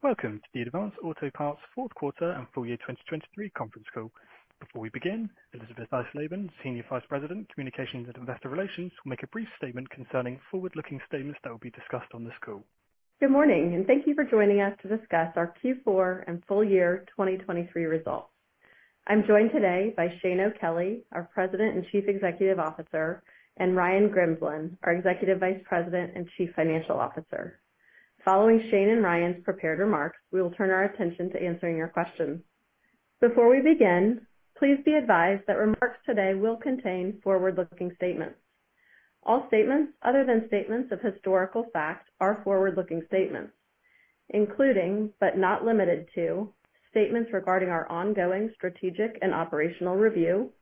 Welcome to the Advance Auto Parts fourth quarter and full year 2023 conference call. Before we begin, Elisabeth Eisleben, Senior Vice President, Communications and Investor Relations, will make a brief statement concerning forward-looking statements that will be discussed on this call. Good morning, and thank you for joining us to discuss our Q4 and full year 2023 results. I'm joined today by Shane O'Kelly, our President and Chief Executive Officer, and Ryan Grimsland, our Executive Vice President and Chief Financial Officer. Following Shane and Ryan's prepared remarks, we will turn our attention to answering your questions. Before we begin, please be advised that remarks today will contain forward-looking statements. All statements other than statements of historical fact are forward-looking statements, including but not limited to statements regarding our ongoing strategic and operational review,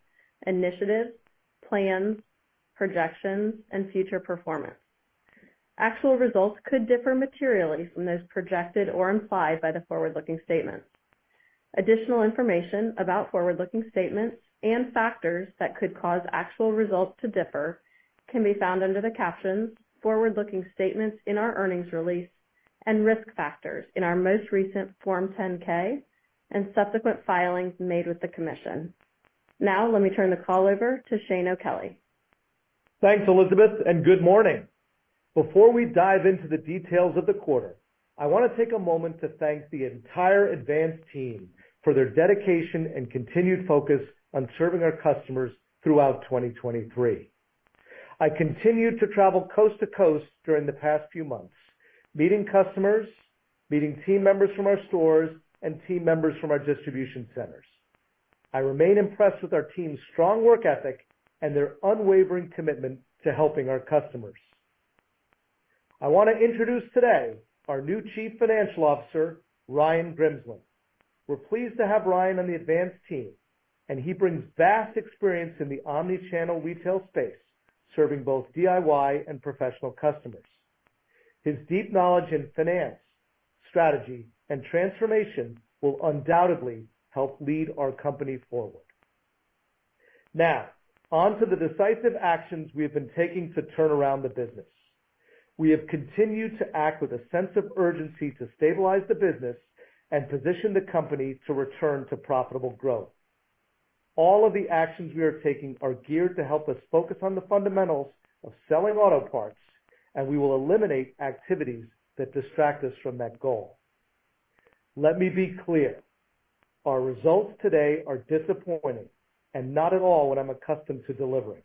initiatives, plans, projections, and future performance. Actual results could differ materially from those projected or implied by the forward-looking statements. Additional information about forward-looking statements and factors that could cause actual results to differ can be found under the captions "Forward-looking Statements in Our Earnings Release" and "Risk Factors" in our most recent Form 10-K and subsequent filings made with the Commission. Now, let me turn the call over to Shane O'Kelly. Thanks, Elisabeth, and good morning. Before we dive into the details of the quarter, I want to take a moment to thank the entire Advance team for their dedication and continued focus on serving our customers throughout 2023. I continued to travel coast to coast during the past few months, meeting customers, meeting team members from our stores, and team members from our distribution centers. I remain impressed with our team's strong work ethic and their unwavering commitment to helping our customers. I want to introduce today our new Chief Financial Officer, Ryan Grimsland. We're pleased to have Ryan on the Advance team, and he brings vast experience in the omnichannel retail space serving both DIY and professional customers. His deep knowledge in finance, strategy, and transformation will undoubtedly help lead our company forward. Now, onto the decisive actions we have been taking to turn around the business. We have continued to act with a sense of urgency to stabilize the business and position the company to return to profitable growth. All of the actions we are taking are geared to help us focus on the fundamentals of selling auto parts, and we will eliminate activities that distract us from that goal. Let me be clear. Our results today are disappointing and not at all what I'm accustomed to delivering.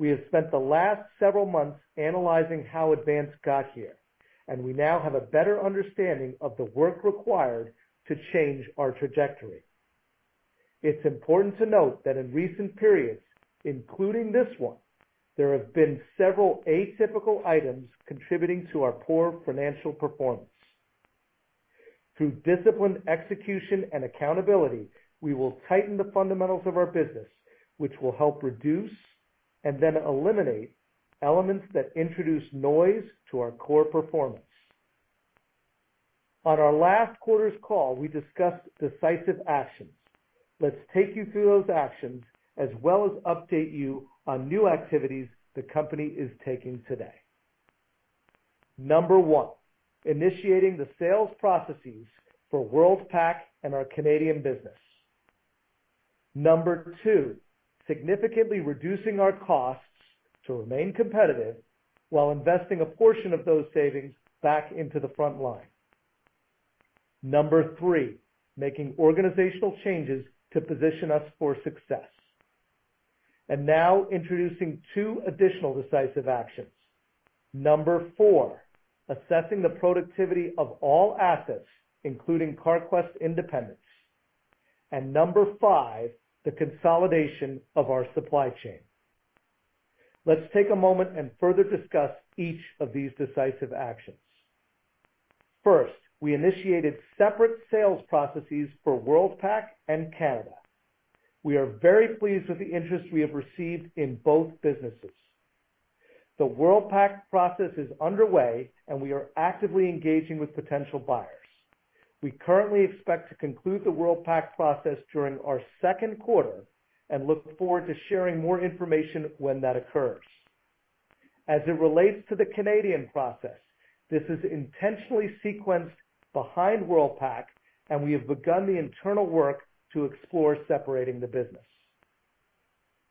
We have spent the last several months analyzing how Advance got here, and we now have a better understanding of the work required to change our trajectory. It's important to note that in recent periods, including this one, there have been several atypical items contributing to our poor financial performance. Through disciplined execution and accountability, we will tighten the fundamentals of our business, which will help reduce and then eliminate elements that introduce noise to our core performance. On our last quarter's call, we discussed decisive actions. Let's take you through those actions as well as update you on new activities the company is taking today. Number one, initiating the sales processes for Worldpac and our Canadian business. Number two, significantly reducing our costs to remain competitive while investing a portion of those savings back into the front line. Number three, making organizational changes to position us for success. Now introducing two additional decisive actions. Number four, assessing the productivity of all assets, including Carquest independents. Number five, the consolidation of our supply chain. Let's take a moment and further discuss each of these decisive actions. First, we initiated separate sales processes for Worldpac and Canada. We are very pleased with the interest we have received in both businesses. The Worldpac process is underway, and we are actively engaging with potential buyers. We currently expect to conclude the Worldpac process during our second quarter and look forward to sharing more information when that occurs. As it relates to the Canadian process, this is intentionally sequenced behind Worldpac, and we have begun the internal work to explore separating the business.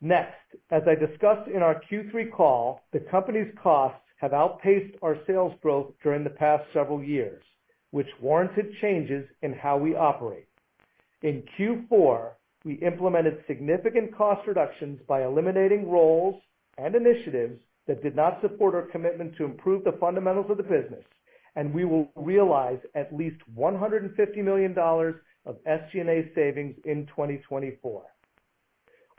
Next, as I discussed in our Q3 call, the company's costs have outpaced our sales growth during the past several years, which warranted changes in how we operate. In Q4, we implemented significant cost reductions by eliminating roles and initiatives that did not support our commitment to improve the fundamentals of the business, and we will realize at least $150 million of SG&A savings in 2024.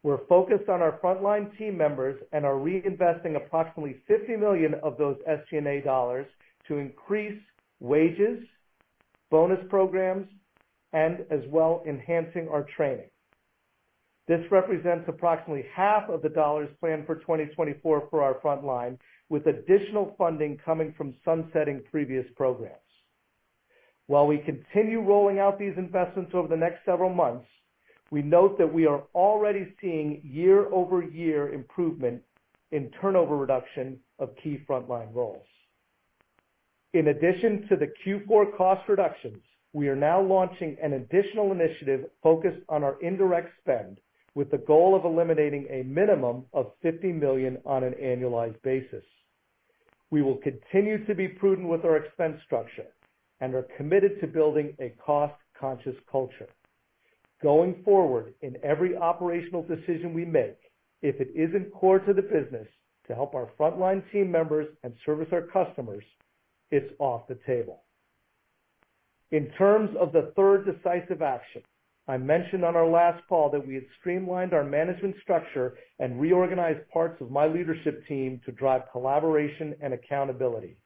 We're focused on our frontline team members and are reinvesting approximately $50 million of those SG&A dollars to increase wages, bonus programs, and as well enhancing our training. This represents approximately half of the dollars planned for 2024 for our frontline, with additional funding coming from sunsetting previous programs. While we continue rolling out these investments over the next several months, we note that we are already seeing year-over-year improvement in turnover reduction of key frontline roles. In addition to the Q4 cost reductions, we are now launching an additional initiative focused on our indirect spend with the goal of eliminating a minimum of $50 million on an annualized basis. We will continue to be prudent with our expense structure and are committed to building a cost-conscious culture. Going forward, in every operational decision we make, if it isn't core to the business to help our frontline team members and service our customers, it's off the table. In terms of the third decisive action, I mentioned on our last call that we had streamlined our management structure and reorganized parts of my leadership team to drive collaboration and accountability.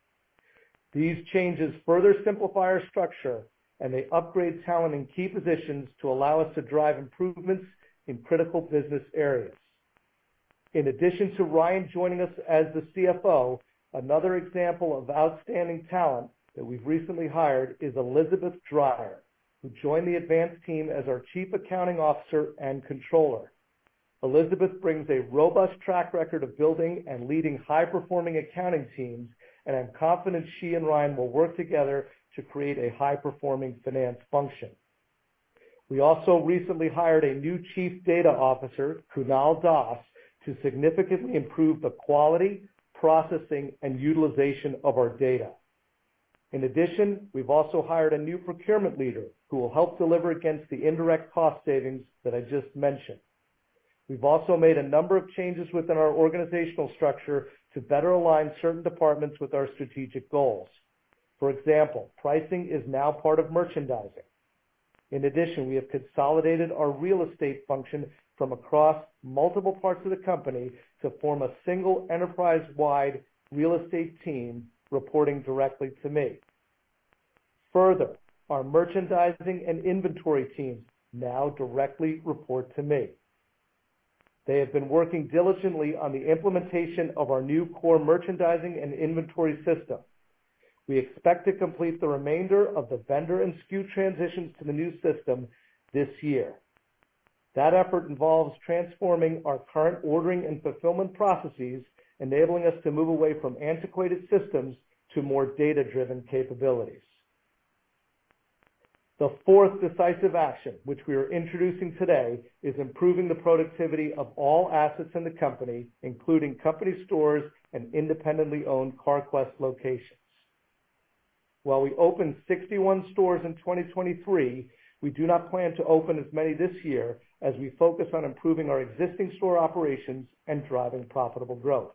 These changes further simplify our structure, and they upgrade talent in key positions to allow us to drive improvements in critical business areas. In addition to Ryan joining us as the CFO, another example of outstanding talent that we've recently hired is Elizabeth Dreyer, who joined the Advance team as our Chief Accounting Officer and Controller. Elisabeth brings a robust track record of building and leading high-performing accounting teams, and I'm confident she and Ryan will work together to create a high-performing finance function. We also recently hired a new Chief Data Officer, Kunal Das, to significantly improve the quality, processing, and utilization of our data. In addition, we've also hired a new procurement leader who will help deliver against the indirect cost savings that I just mentioned. We've also made a number of changes within our organizational structure to better align certain departments with our strategic goals. For example, pricing is now part of merchandising. In addition, we have consolidated our real estate function from across multiple parts of the company to form a single enterprise-wide real estate team reporting directly to me. Further, our merchandising and inventory teams now directly report to me. They have been working diligently on the implementation of our new core merchandising and inventory system. We expect to complete the remainder of the vendor and SKU transitions to the new system this year. That effort involves transforming our current ordering and fulfillment processes, enabling us to move away from antiquated systems to more data-driven capabilities. The fourth decisive action, which we are introducing today, is improving the productivity of all assets in the company, including company stores and independently owned Carquest locations. While we opened 61 stores in 2023, we do not plan to open as many this year as we focus on improving our existing store operations and driving profitable growth.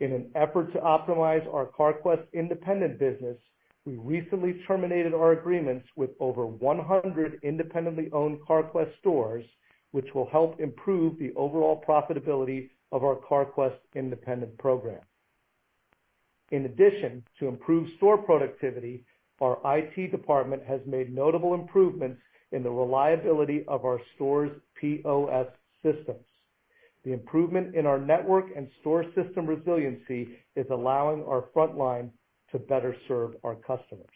In an effort to optimize our Carquest independent business, we recently terminated our agreements with over 100 independently owned Carquest stores, which will help improve the overall profitability of our Carquest independent program. In addition to improved store productivity, our IT department has made notable improvements in the reliability of our store's POS systems. The improvement in our network and store system resiliency is allowing our frontline to better serve our customers.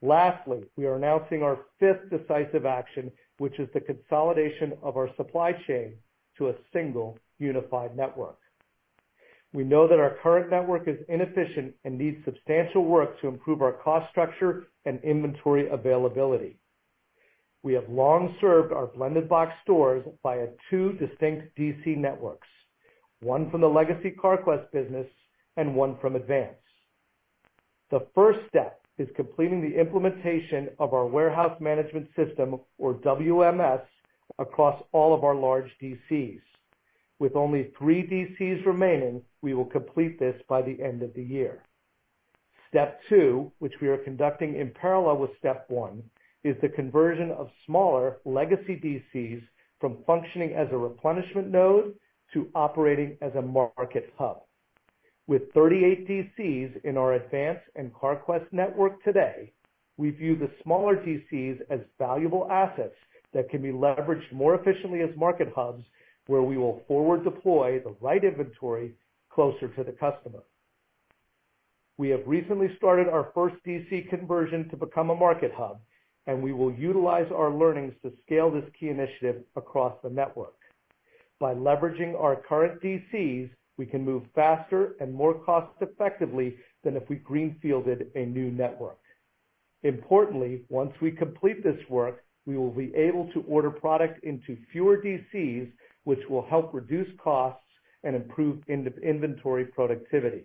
Lastly, we are announcing our fifth decisive action, which is the consolidation of our supply chain to a single unified network. We know that our current network is inefficient and needs substantial work to improve our cost structure and inventory availability. We have long served our Blended Box stores via two distinct DC networks, one from the legacy Carquest business and one from Advance. The first step is completing the implementation of our warehouse management system, or WMS, across all of our large DCs. With only three DCs remaining, we will complete this by the end of the year. Step two, which we are conducting in parallel with step one, is the conversion of smaller legacy DCs from functioning as a replenishment node to operating as a Market Hub. With 38 DCs in our Advance and Carquest network today, we view the smaller DCs as valuable assets that can be leveraged more efficiently as Market Hubs, where we will forward deploy the right inventory closer to the customer. We have recently started our first DC conversion to become a Market Hub, and we will utilize our learnings to scale this key initiative across the network. By leveraging our current DCs, we can move faster and more cost-effectively than if we greenfielded a new network. Importantly, once we complete this work, we will be able to order product into fewer DCs, which will help reduce costs and improve inventory productivity.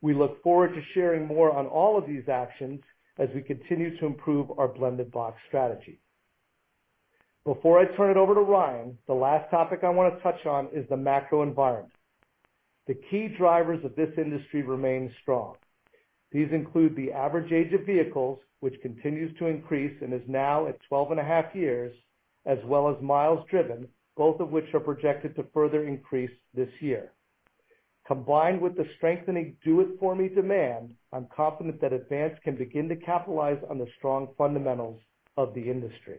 We look forward to sharing more on all of these actions as we continue to improve our Blended Box strategy. Before I turn it over to Ryan, the last topic I want to touch on is the macro environment. The key drivers of this industry remain strong. These include the average age of vehicles, which continues to increase and is now at 12.5 years, as well as miles driven, both of which are projected to further increase this year. Combined with the strengthening do-it-for-me demand, I'm confident that Advance can begin to capitalize on the strong fundamentals of the industry.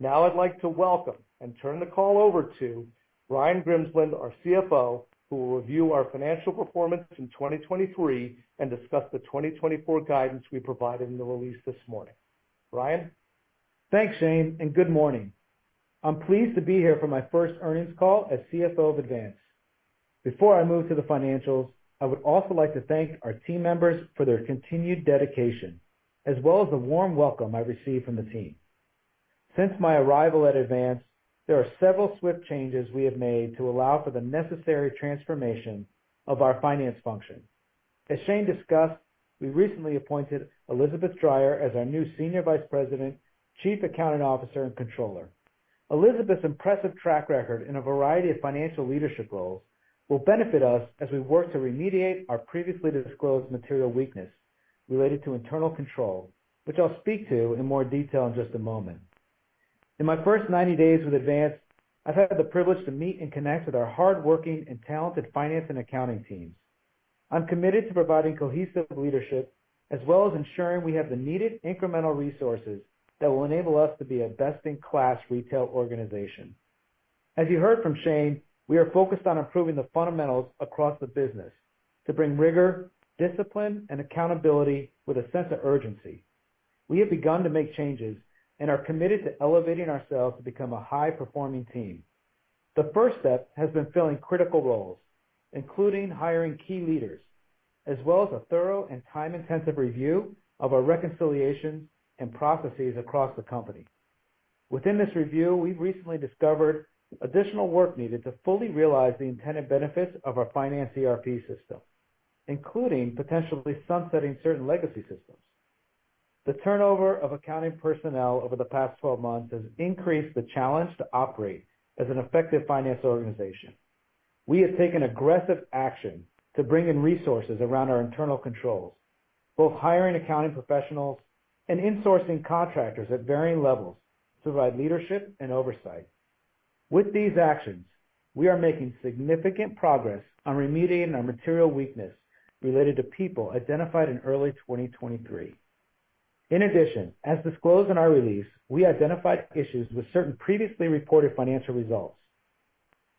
Now, I'd like to welcome and turn the call over to Ryan Grimsland, our CFO, who will review our financial performance in 2023 and discuss the 2024 guidance we provided in the release this morning. Ryan? Thanks, Shane, and good morning. I'm pleased to be here for my first earnings call as CFO of Advance. Before I move to the financials, I would also like to thank our team members for their continued dedication, as well as the warm welcome I received from the team. Since my arrival at Advance, there are several swift changes we have made to allow for the necessary transformation of our finance function. As Shane discussed, we recently appointed Elizabeth Dreyer as our new Senior Vice President, Chief Accounting Officer, and Controller. Elisabeth's impressive track record in a variety of financial leadership roles will benefit us as we work to remediate our previously disclosed material weakness related to internal control, which I'll speak to in more detail in just a moment. In my first 90 days with Advance, I've had the privilege to meet and connect with our hardworking and talented finance and accounting teams. I'm committed to providing cohesive leadership as well as ensuring we have the needed incremental resources that will enable us to be a best-in-class retail organization. As you heard from Shane, we are focused on improving the fundamentals across the business to bring rigor, discipline, and accountability with a sense of urgency. We have begun to make changes and are committed to elevating ourselves to become a high-performing team. The first step has been filling critical roles, including hiring key leaders, as well as a thorough and time-intensive review of our reconciliations and processes across the company. Within this review, we've recently discovered additional work needed to fully realize the intended benefits of our finance ERP system, including potentially sunsetting certain legacy systems. The turnover of accounting personnel over the past 12 months has increased the challenge to operate as an effective finance organization. We have taken aggressive action to bring in resources around our internal controls, both hiring accounting professionals and insourcing contractors at varying levels to provide leadership and oversight. With these actions, we are making significant progress on remediating our material weakness related to people identified in early 2023. In addition, as disclosed in our release, we identified issues with certain previously reported financial results.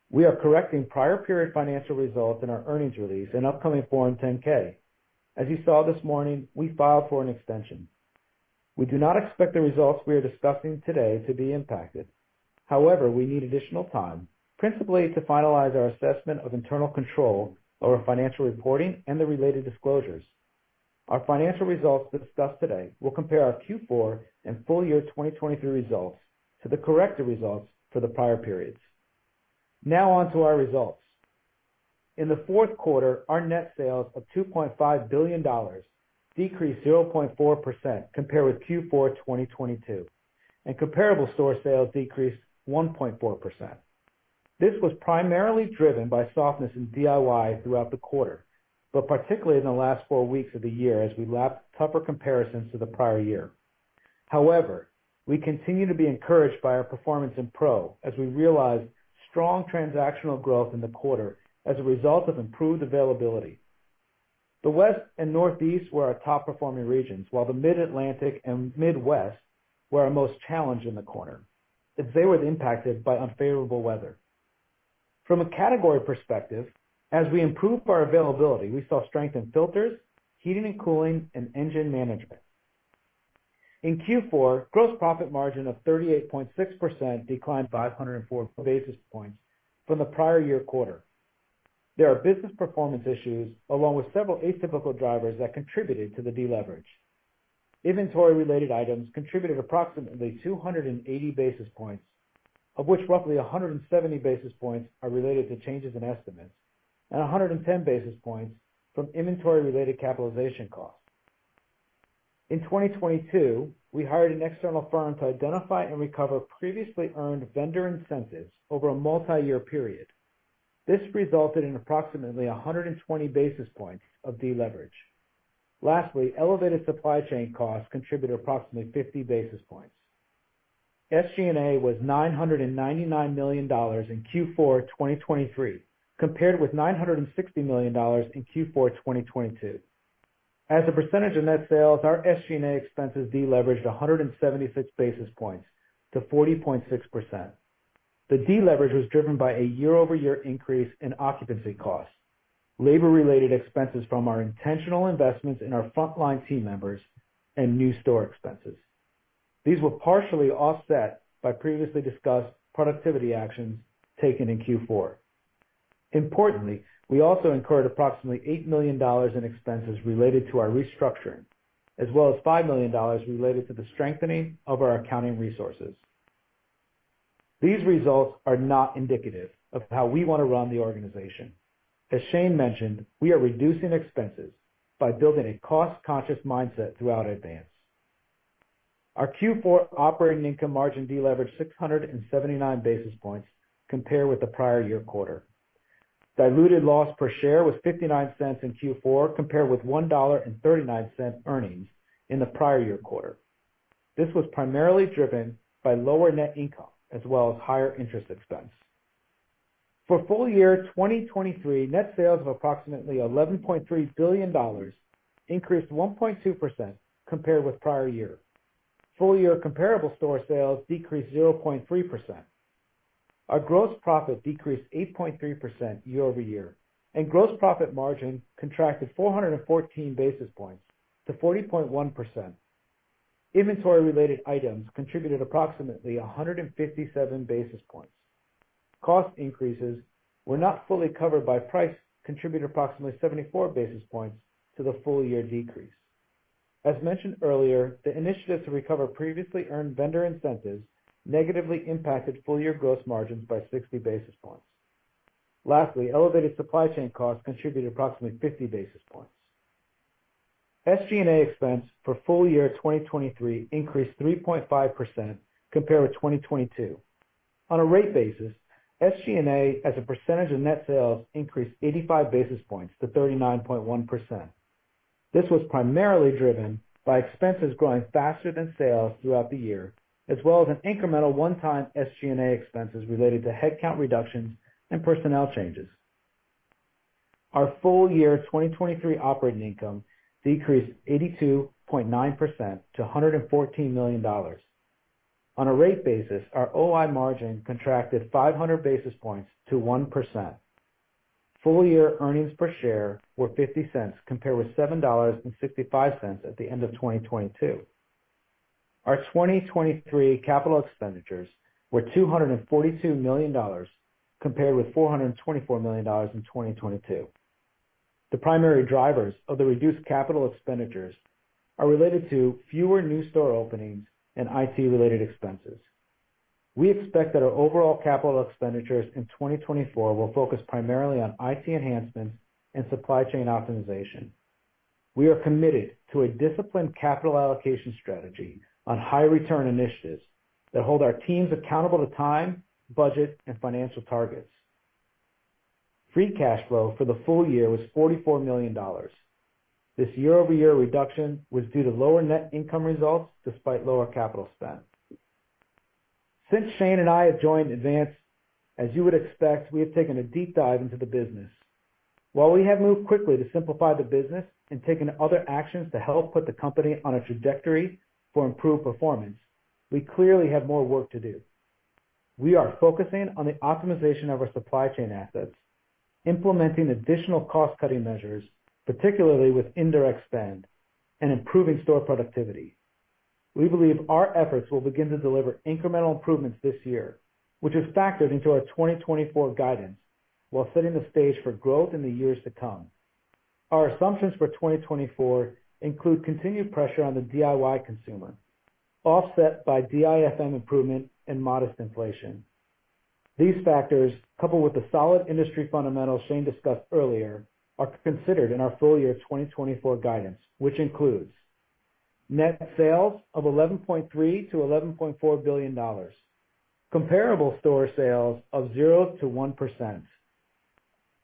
We are correcting prior period financial results in our earnings release and upcoming Form 10-K. As you saw this morning, we filed for an extension. We do not expect the results we are discussing today to be impacted. However, we need additional time, principally to finalize our assessment of internal control over financial reporting and the related disclosures. Our financial results discussed today will compare our Q4 and full year 2023 results to the corrected results for the prior periods. Now onto our results. In the fourth quarter, our net sales of $2.5 billion decreased 0.4% compared with Q4 2022, and comparable store sales decreased 1.4%. This was primarily driven by softness in DIY throughout the quarter, but particularly in the last four weeks of the year as we lapped tougher comparisons to the prior year. However, we continue to be encouraged by our performance in Pro as we realize strong transactional growth in the quarter as a result of improved availability. The West and Northeast were our top-performing regions, while the Mid-Atlantic and Midwest were our most challenged in the quarter. They were impacted by unfavorable weather. From a category perspective, as we improved our availability, we saw strength in filters, heating and cooling, and engine management. In Q4, gross profit margin of 38.6% declined 504 basis points from the prior year quarter. There are business performance issues along with several atypical drivers that contributed to the deleverage. Inventory-related items contributed approximately 280 basis points, of which roughly 170 basis points are related to changes in estimates and 110 basis points from inventory-related capitalization costs. In 2022, we hired an external firm to identify and recover previously earned vendor incentives over a multi-year period. This resulted in approximately 120 basis points of deleverage. Lastly, elevated supply chain costs contributed approximately 50 basis points. SG&A was $999 million in Q4 2023 compared with $960 million in Q4 2022. As a percentage of net sales, our SG&A expenses deleveraged 176 basis points to 40.6%. The deleverage was driven by a year-over-year increase in occupancy costs, labor-related expenses from our intentional investments in our frontline team members, and new store expenses. These were partially offset by previously discussed productivity actions taken in Q4. Importantly, we also incurred approximately $8 million in expenses related to our restructuring, as well as $5 million related to the strengthening of our accounting resources. These results are not indicative of how we want to run the organization. As Shane mentioned, we are reducing expenses by building a cost-conscious mindset throughout Advance. Our Q4 operating income margin deleveraged 679 basis points compared with the prior year quarter. Diluted loss per share was $0.59 in Q4 compared with $1.39 earnings in the prior year quarter. This was primarily driven by lower net income as well as higher interest expense. For full year 2023, net sales of approximately $11.3 billion increased 1.2% compared with prior year. Full year comparable store sales decreased 0.3%. Our gross profit decreased 8.3% year-over-year, and gross profit margin contracted 414 basis points to 40.1%. Inventory-related items contributed approximately 157 basis points. Cost increases were not fully covered by price, contributed approximately 74 basis points to the full year decrease. As mentioned earlier, the initiative to recover previously earned vendor incentives negatively impacted full year gross margins by 60 basis points. Lastly, elevated supply chain costs contributed approximately 50 basis points. SG&A expense for full year 2023 increased 3.5% compared with 2022. On a rate basis, SG&A, as a percentage of net sales, increased 85 basis points to 39.1%. This was primarily driven by expenses growing faster than sales throughout the year, as well as incremental one-time SG&A expenses related to headcount reductions and personnel changes. Our full year 2023 operating income decreased 82.9% to $114 million. On a rate basis, our OI margin contracted 500 basis points to 1%. Full year earnings per share were $0.50 compared with $7.65 at the end of 2022. Our 2023 capital expenditures were $242 million compared with $424 million in 2022. The primary drivers of the reduced capital expenditures are related to fewer new store openings and IT-related expenses. We expect that our overall capital expenditures in 2024 will focus primarily on IT enhancements and supply chain optimization. We are committed to a disciplined capital allocation strategy on high-return initiatives that hold our teams accountable to time, budget, and financial targets. Free cash flow for the full year was $44 million. This year-over-year reduction was due to lower net income results despite lower capital spend. Since Shane and I have joined Advance, as you would expect, we have taken a deep dive into the business. While we have moved quickly to simplify the business and taken other actions to help put the company on a trajectory for improved performance, we clearly have more work to do. We are focusing on the optimization of our supply chain assets, implementing additional cost-cutting measures, particularly with indirect spend, and improving store productivity. We believe our efforts will begin to deliver incremental improvements this year, which is factored into our 2024 guidance while setting the stage for growth in the years to come. Our assumptions for 2024 include continued pressure on the DIY consumer, offset by DIFM improvement and modest inflation. These factors, coupled with the solid industry fundamentals Shane discussed earlier, are considered in our full year 2024 guidance, which includes: net sales of $11.3-$11.4 billion, comparable store sales of 0%-1%,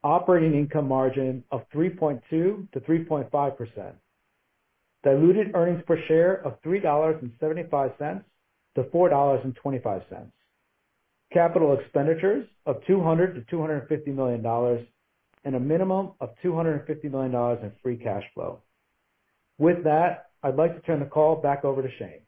operating income margin of 3.2%-3.5%, diluted earnings per share of $3.75-$4.25, capital expenditures of $200-$250 million, and a minimum of $250 million in free cash flow. With that, I'd like to turn the call back over to Shane.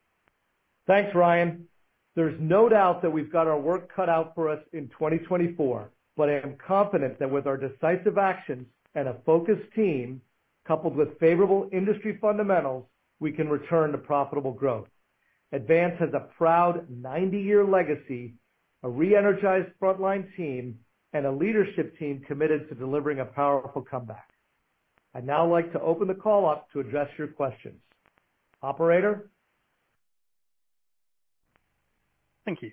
Thanks, Ryan. There's no doubt that we've got our work cut out for us in 2024, but I am confident that with our decisive actions and a focused team coupled with favorable industry fundamentals, we can return to profitable growth. Advance has a proud 90-year legacy, a re-energized frontline team, and a leadership team committed to delivering a powerful comeback. I'd now like to open the call up to address your questions. Operator? Thank you.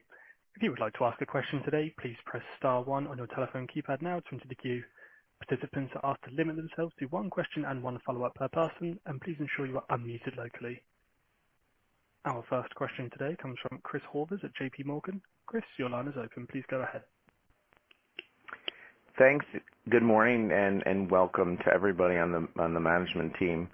If you would like to ask a question today, please press star 1 on your telephone keypad now to introduce you. Participants are asked to limit themselves to one question and one follow-up per person, and please ensure you are unmuted locally. Our first question today comes from Chris Horvers at JPMorgan. Chris, your line is open. Please go ahead. Thanks. Good morning and welcome to everybody on the management team.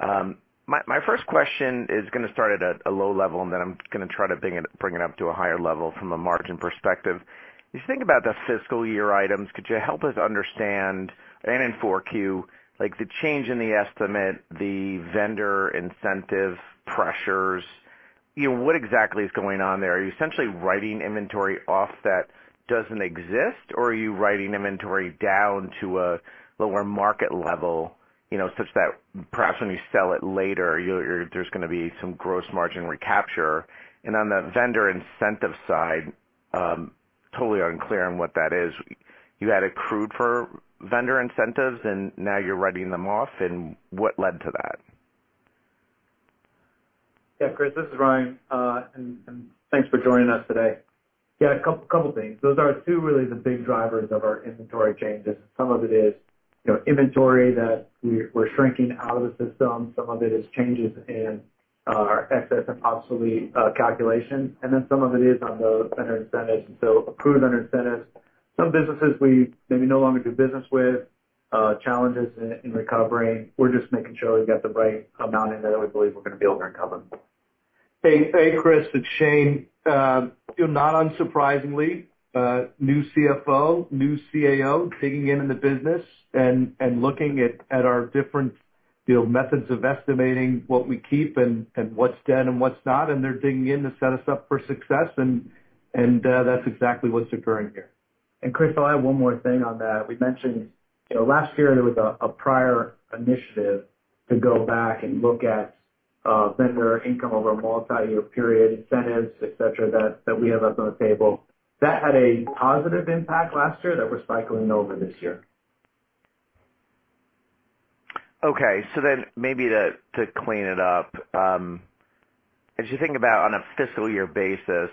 My first question is going to start at a low level, and then I'm going to try to bring it up to a higher level from a margin perspective. As you think about the fiscal year items, could you help us understand, and in 4Q, the change in the estimate, the vendor incentive pressures? What exactly is going on there? Are you essentially writing inventory off that doesn't exist, or are you writing inventory down to a lower market level such that perhaps when you sell it later, there's going to be some gross margin recapture? And on the vendor incentive side, totally unclear on what that is. You had accrued for vendor incentives, and now you're writing them off. And what led to that? Yeah, Chris. This is Ryan, and thanks for joining us today. Yeah, a couple of things. Those are two, really, the big drivers of our inventory changes. Some of it is inventory that we're shrinking out of the system. Some of it is changes in our excess and obsolete calculations. And then some of it is on the vendor incentives, so approved vendor incentives. Some businesses we maybe no longer do business with, challenges in recovering. We're just making sure we've got the right amount in there that we believe we're going to be able to recover. Hey, Chris and Shane. Not unsurprisingly, new CFO, new CAO digging in in the business and looking at our different methods of estimating what we keep and what's dead and what's not. They're digging in to set us up for success, and that's exactly what's occurring here. And Chris, I'll add one more thing on that. We mentioned last year there was a prior initiative to go back and look at vendor income over a multi-year period, incentives, etc., that we have up on the table. That had a positive impact last year that we're cycling over this year. Okay. So then maybe to clean it up, as you think about on a fiscal year basis,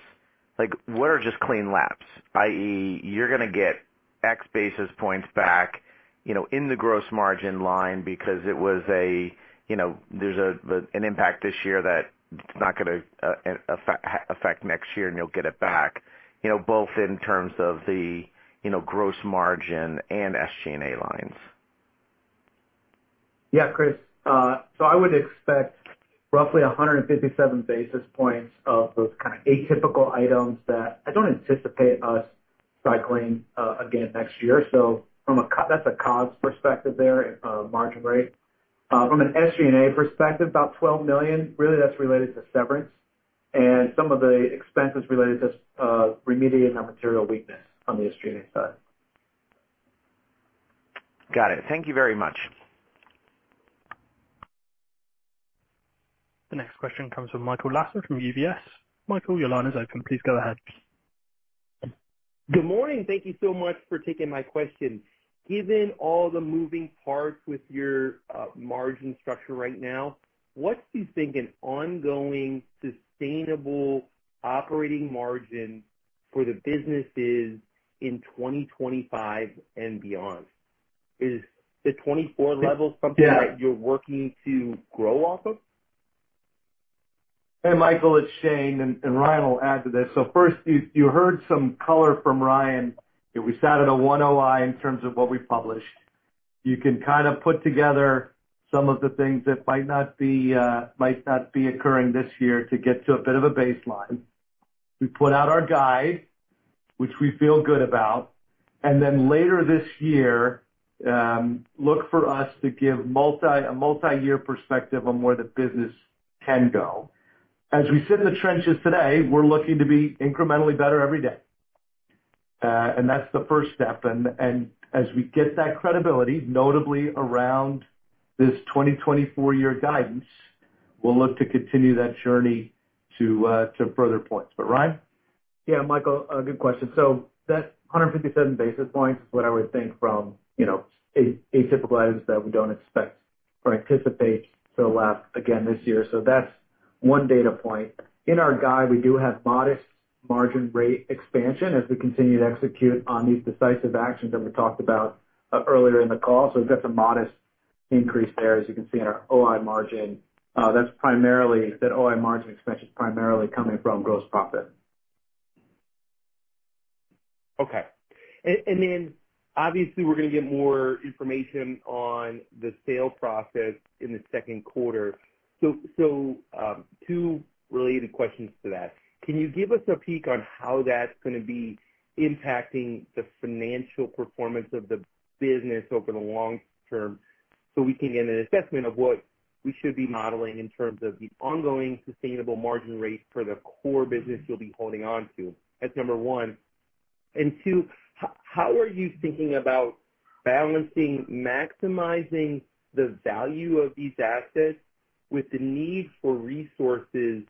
what are just clean laps, i.e., you're going to get X basis points back in the gross margin line because it was a there's an impact this year that it's not going to affect next year, and you'll get it back, both in terms of the gross margin and SG&A lines? Yeah, Chris. So I would expect roughly 157 basis points of those kind of atypical items that I don't anticipate us cycling again next year. So that's a cost perspective there, margin rate. From an SG&A perspective, about $12 million. Really, that's related to severance and some of the expenses related to remediating our material weakness on the SG&A side. Got it. Thank you very much. The next question comes from Michael Lasser from UBS. Michael, your line is open. Please go ahead. Good morning. Thank you so much for taking my question. Given all the moving parts with your margin structure right now, what do you think an ongoing sustainable operating margin for the business is in 2025 and beyond? Is the 2024 level something that you're working to grow off of? Hey, Michael, it's Shane, and Ryan will add to this. So first, you heard some color from Ryan. We sat at a 109 in terms of what we published. You can kind of put together some of the things that might not be occurring this year to get to a bit of a baseline. We put out our guide, which we feel good about, and then later this year, look for us to give a multi-year perspective on where the business can go. As we sit in the trenches today, we're looking to be incrementally better every day, and that's the first step. And as we get that credibility, notably around this 2024 year guidance, we'll look to continue that journey to further points. But Ryan? Yeah, Michael, good question. So that 157 basis points is what I would think from atypical items that we don't expect or anticipate to last, again, this year. So that's one data point. In our guide, we do have modest margin rate expansion as we continue to execute on these decisive actions that we talked about earlier in the call. So we've got some modest increase there, as you can see, in our OI margin. That OI margin expansion is primarily coming from gross profit. Okay. And then obviously, we're going to get more information on the sale process in the second quarter. So two related questions to that. Can you give us a peek on how that's going to be impacting the financial performance of the business over the long term so we can get an assessment of what we should be modeling in terms of the ongoing sustainable margin rate for the core business you'll be holding onto? That's number one. And two, how are you thinking about balancing, maximizing the value of these assets with the need for resources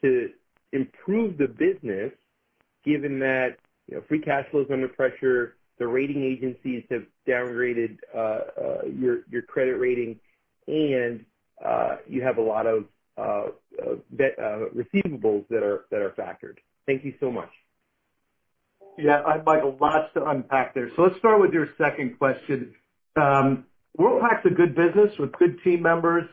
to improve the business given that free cash flow is under pressure, the rating agencies have downgraded your credit rating, and you have a lot of receivables that are factored? Thank you so much. Yeah, Michael, lots to unpack there. So let's start with your second question. Worldpac is a good business with good team members.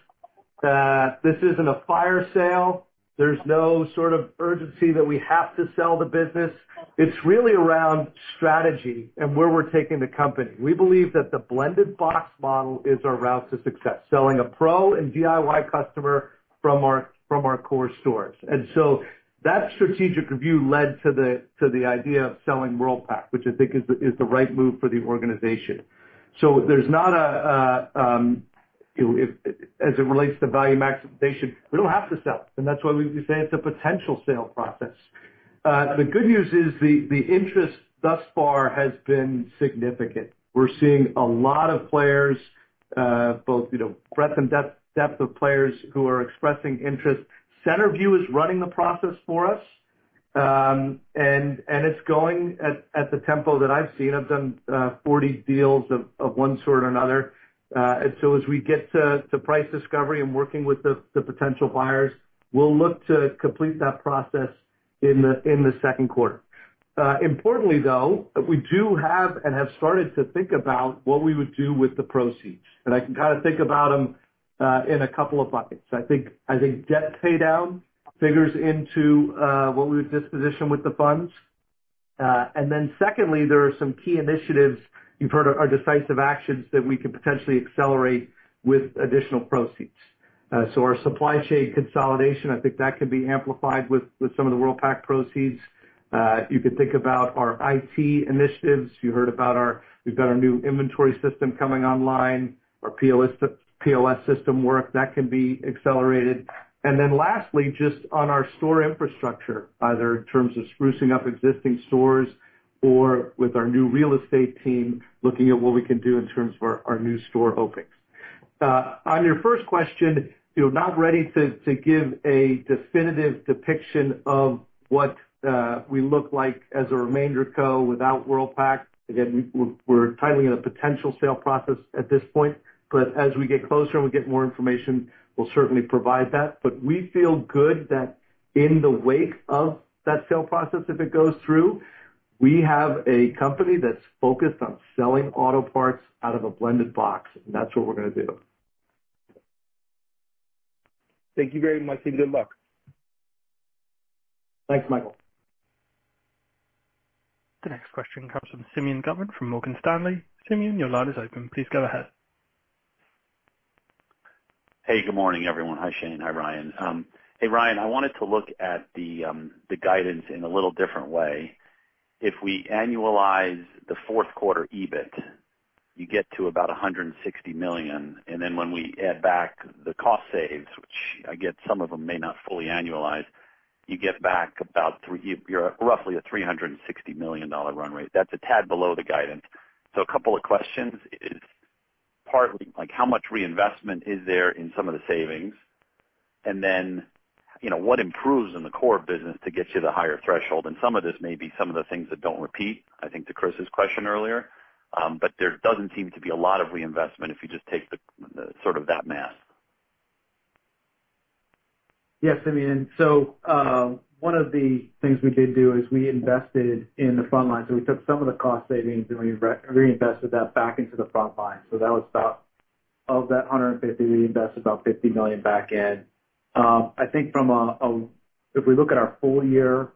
This isn't a fire sale. There's no sort of urgency that we have to sell the business. It's really around strategy and where we're taking the company. We believe that the Blended Box model is our route to success, selling a pro and DIY customer from our core stores. And so that strategic review led to the idea of selling Worldpac, which I think is the right move for the organization. So there's not a as it relates to value maximization, we don't have to sell, and that's why we say it's a potential sale process. The good news is the interest thus far has been significant. We're seeing a lot of players, both breadth and depth of players who are expressing interest. Centerview is running the process for us, and it's going at the tempo that I've seen. I've done 40 deals of one sort or another. And so as we get to price discovery and working with the potential buyers, we'll look to complete that process in the second quarter. Importantly, though, we do have and have started to think about what we would do with the proceeds. And I can kind of think about them in a couple of buckets. I think debt paydown figures into what we would disposition with the funds. And then secondly, there are some key initiatives you've heard are decisive actions that we could potentially accelerate with additional proceeds. So our supply chain consolidation, I think that can be amplified with some of the Worldpac proceeds. You could think about our IT initiatives. You heard about our. We've got our new inventory system coming online, our POS system work that can be accelerated. And then lastly, just on our store infrastructure, either in terms of sprucing up existing stores or with our new real estate team looking at what we can do in terms of our new store openings. On your first question, not ready to give a definitive depiction of what we look like as a remainder co without Worldpac. Again, we're titling it a potential sale process at this point. But as we get closer and we get more information, we'll certainly provide that. But we feel good that in the wake of that sale process, if it goes through, we have a company that's focused on selling auto parts out of a blended box, and that's what we're going to do. Thank you very much and good luck. Thanks, Michael. The next question comes from Simeon Gutman from Morgan Stanley. Simeon, your line is open. Please go ahead. Hey, good morning, everyone. Hi, Shane. Hi, Ryan. Hey, Ryan, I wanted to look at the guidance in a little different way. If we annualize the fourth quarter EBIT, you get to about $160 million. And then when we add back the cost saves, which I get some of them may not fully annualize, you get back about roughly a $360 million run rate. That's a tad below the guidance. So a couple of questions is partly how much reinvestment is there in some of the savings, and then what improves in the core business to get you the higher threshold? And some of this may be some of the things that don't repeat, I think, to Chris's question earlier. But there doesn't seem to be a lot of reinvestment if you just take sort of that math. Yes, I mean, and so one of the things we did do is we invested in the front line. So we took some of the cost savings, and we reinvested that back into the front line. So that was about of that 150, we invested about $50 million back in. I think from a if we look at our full year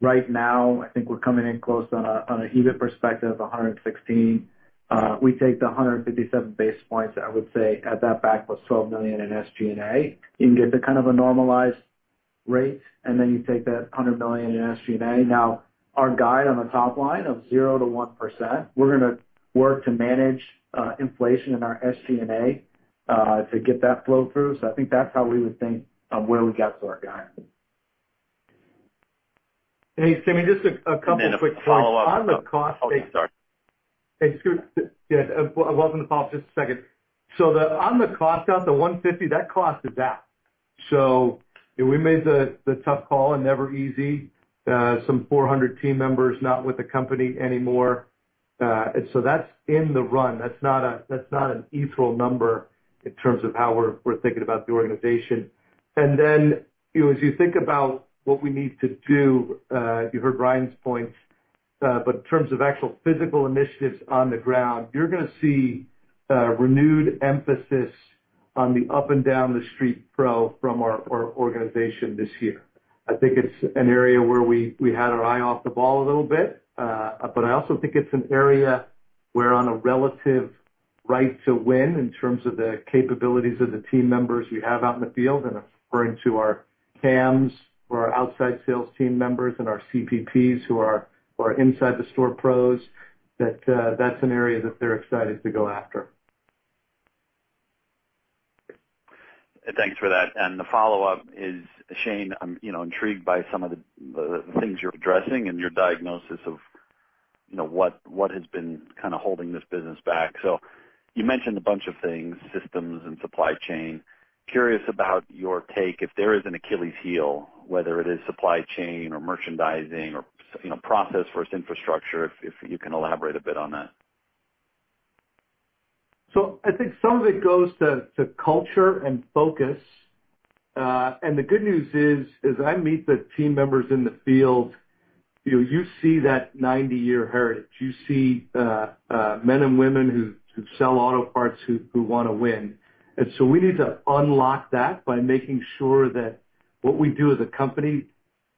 right now, I think we're coming in close on a EBIT perspective, 116. We take the 157 basis points. I would say at that back was $12 million in SG&A. You can get to kind of a normalized rate, and then you take that $100 million in SG&A. Now, our guide on the top line of 0%-1%, we're going to work to manage inflation in our SG&A to get that flow through. So I think that's how we would think of where we got to our guide. Hey, Simeon, just a couple of quick points on the cost. And then a follow-up. On the cost savings. Oh, sorry. Excuse me. Yeah, welcome to follow up just a second. So on the cost out, the $150, that cost is out. So we made the tough call and never easy. Some 400 team members not with the company anymore. So that's in the run. That's not an ethereal number in terms of how we're thinking about the organization. And then as you think about what we need to do, you heard Ryan's points, but in terms of actual physical initiatives on the ground, you're going to see renewed emphasis on the up and down the street pro from our organization this year. I think it's an area where we had our eye off the ball a little bit. But I also think it's an area we're on a relative right to win in terms of the capabilities of the team members we have out in the field. I'm referring to our CAMs or our outside sales team members and our CPPs who are inside the store pros. That's an area that they're excited to go after. Thanks for that. And the follow-up is, Shane, I'm intrigued by some of the things you're addressing and your diagnosis of what has been kind of holding this business back. So you mentioned a bunch of things, systems and supply chain. Curious about your take, if there is an Achilles heel, whether it is supply chain or merchandising or process-first infrastructure, if you can elaborate a bit on that? So I think some of it goes to culture and focus. And the good news is, as I meet the team members in the field, you see that 90-year heritage. You see men and women who sell auto parts who want to win. And so we need to unlock that by making sure that what we do as a company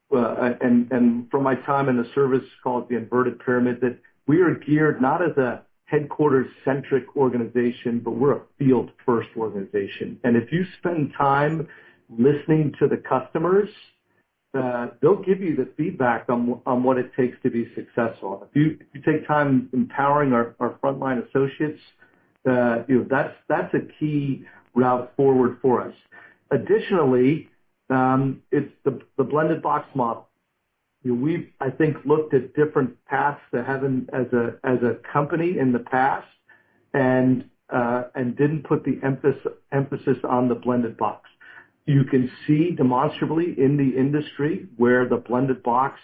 and from my time in the service called the Inverted Pyramid, that we are geared not as a headquarters-centric organization, but we're a field-first organization. And if you spend time listening to the customers, they'll give you the feedback on what it takes to be successful. If you take time empowering our front-line associates, that's a key route forward for us. Additionally, it's the Blended Box model. We, I think, looked at different paths to heaven as a company in the past and didn't put the emphasis on the Blended Box. You can see demonstrably in the industry where the Blended Box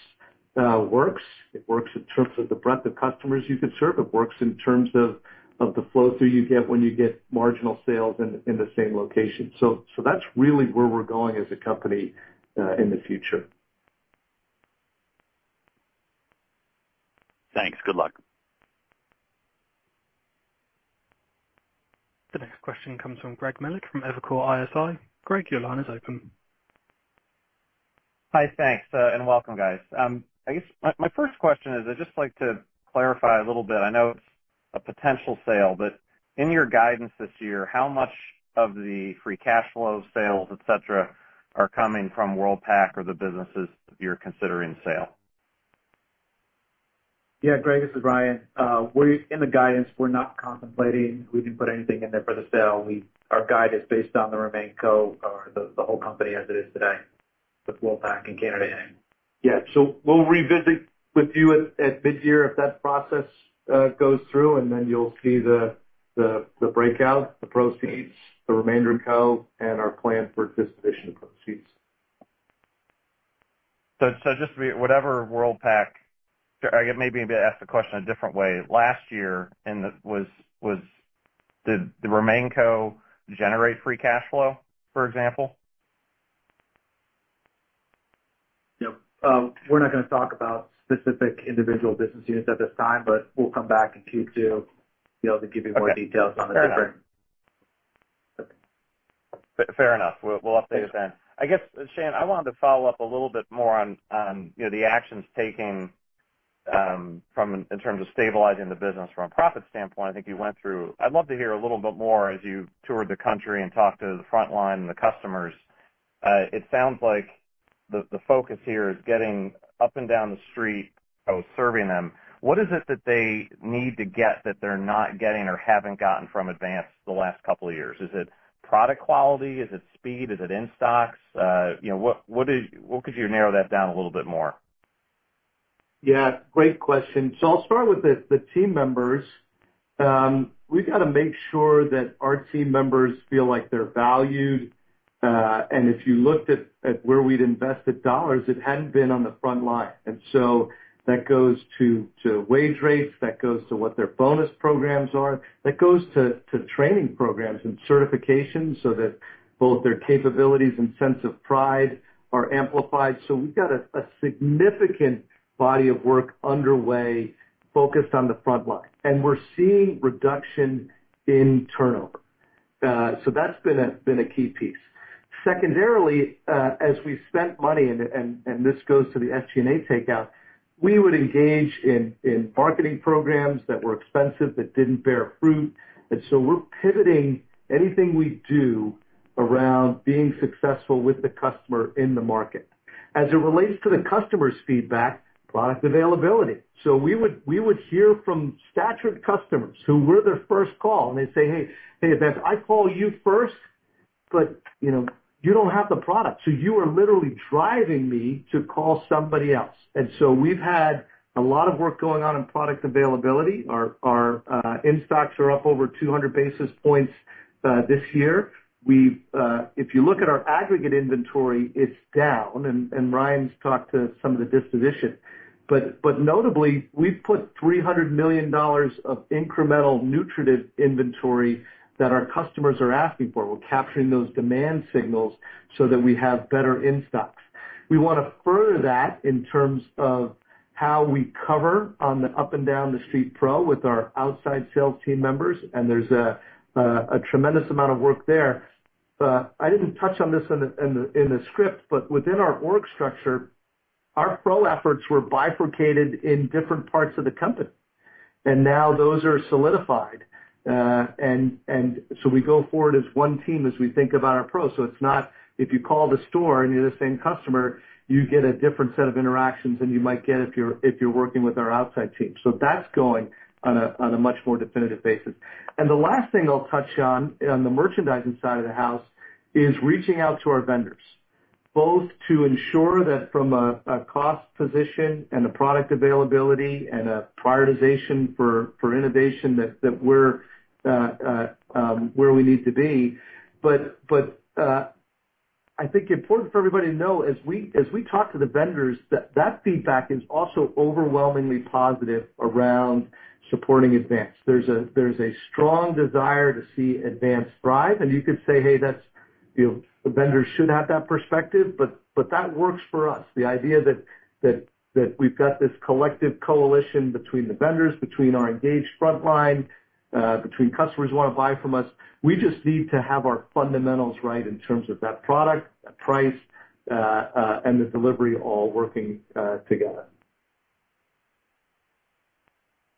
works. It works in terms of the breadth of customers you could serve. It works in terms of the flow-through you get when you get marginal sales in the same location. So that's really where we're going as a company in the future. Thanks. Good luck. The next question comes from Greg Melich from Evercore ISI. Greg, your line is open. Hi, thanks, and welcome, guys. I guess my first question is, I'd just like to clarify a little bit. I know it's a potential sale, but in your guidance this year, how much of the free cash flow sales, etc., are coming from Worldpac or the businesses you're considering sale? Yeah, Greg, this is Ryan. In the guidance, we're not contemplating. We didn't put anything in there for the sale. Our guide is based on the remainder of the company or the whole company as it is today, with Worldpac and Canada Inc. Yeah, so we'll revisit with you at midyear if that process goes through, and then you'll see the breakout, the proceeds, the remainder CO, and our plan for disposition of proceeds. So just whatever Worldpac I guess maybe ask the question a different way. Last year, did the remaining CO generate free cash flow, for example? Yep. We're not going to talk about specific individual business units at this time, but we'll come back in Q2 to give you more details on the different. Fair enough. We'll update it then. I guess, Shane, I wanted to follow up a little bit more on the actions taken in terms of stabilizing the business from a profit standpoint. I think you went through. I'd love to hear a little bit more as you toured the country and talked to the front line and the customers. It sounds like the focus here is getting up and down the street. Serving them. What is it that they need to get that they're not getting or haven't gotten from Advance the last couple of years? Is it product quality? Is it speed? Is it in-stocks? What could you narrow that down a little bit more? Yeah, great question. So I'll start with the team members. We've got to make sure that our team members feel like they're valued. And if you looked at where we'd invested dollars, it hadn't been on the front line. And so that goes to wage rates. That goes to what their bonus programs are. That goes to training programs and certifications so that both their capabilities and sense of pride are amplified. So we've got a significant body of work underway focused on the front line. And we're seeing reduction in turnover. So that's been a key piece. Secondarily, as we spent money - and this goes to the SG&A takeout - we would engage in marketing programs that were expensive, that didn't bear fruit. And so we're pivoting anything we do around being successful with the customer in the market. As it relates to the customer's feedback, product availability. We would hear from statured customers who were their first call, and they'd say, "Hey, Advance, I call you first, but you don't have the product. So you are literally driving me to call somebody else." We've had a lot of work going on in product availability. Our in-stocks are up over 200 basis points this year. If you look at our aggregate inventory, it's down. Ryan's talked to some of the disposition. Notably, we've put $300 million of incremental nutritive inventory that our customers are asking for. We're capturing those demand signals so that we have better in-stocks. We want to further that in terms of how we cover on the up and down the street pro with our outside sales team members. There's a tremendous amount of work there. I didn't touch on this in the script, but within our org structure, our pro efforts were bifurcated in different parts of the company. And now those are solidified. And so we go forward as one team as we think about our pro. So it's not if you call the store and you're the same customer, you get a different set of interactions than you might get if you're working with our outside team. So that's going on a much more definitive basis. And the last thing I'll touch on the merchandising side of the house is reaching out to our vendors, both to ensure that from a cost position and a product availability and a prioritization for innovation that we're where we need to be. But I think important for everybody to know, as we talk to the vendors, that feedback is also overwhelmingly positive around supporting Advance. There's a strong desire to see Advance thrive. And you could say, "Hey, the vendors should have that perspective, but that works for us." The idea that we've got this collective coalition between the vendors, between our engaged front line, between customers who want to buy from us. We just need to have our fundamentals right in terms of that product, that price, and the delivery all working together.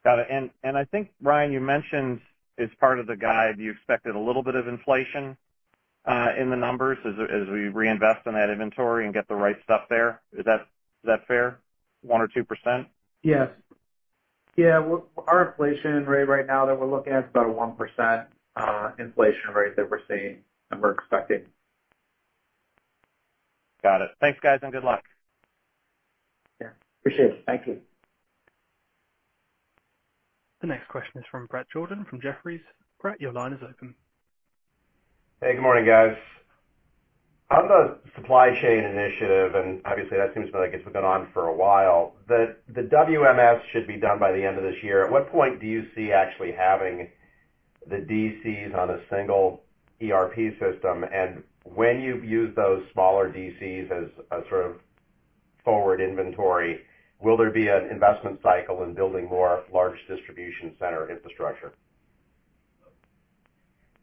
Got it. And I think, Ryan, you mentioned as part of the guide, you expected a little bit of inflation in the numbers as we reinvest in that inventory and get the right stuff there. Is that fair? 1%-2%. Yes. Yeah, our inflation rate right now that we're looking at is about a 1% inflation rate that we're seeing and we're expecting. Got it. Thanks, guys, and good luck. Yeah, appreciate it. Thank you. The next question is from Bret Jordan from Jefferies. Bret, your line is open. Hey, good morning, guys. On the supply chain initiative, and obviously, that seems to me like it's been going on for a while, the WMS should be done by the end of this year. At what point do you see actually having the DCs on a single ERP system? And when you use those smaller DCs as a sort of forward inventory, will there be an investment cycle in building more large distribution center infrastructure?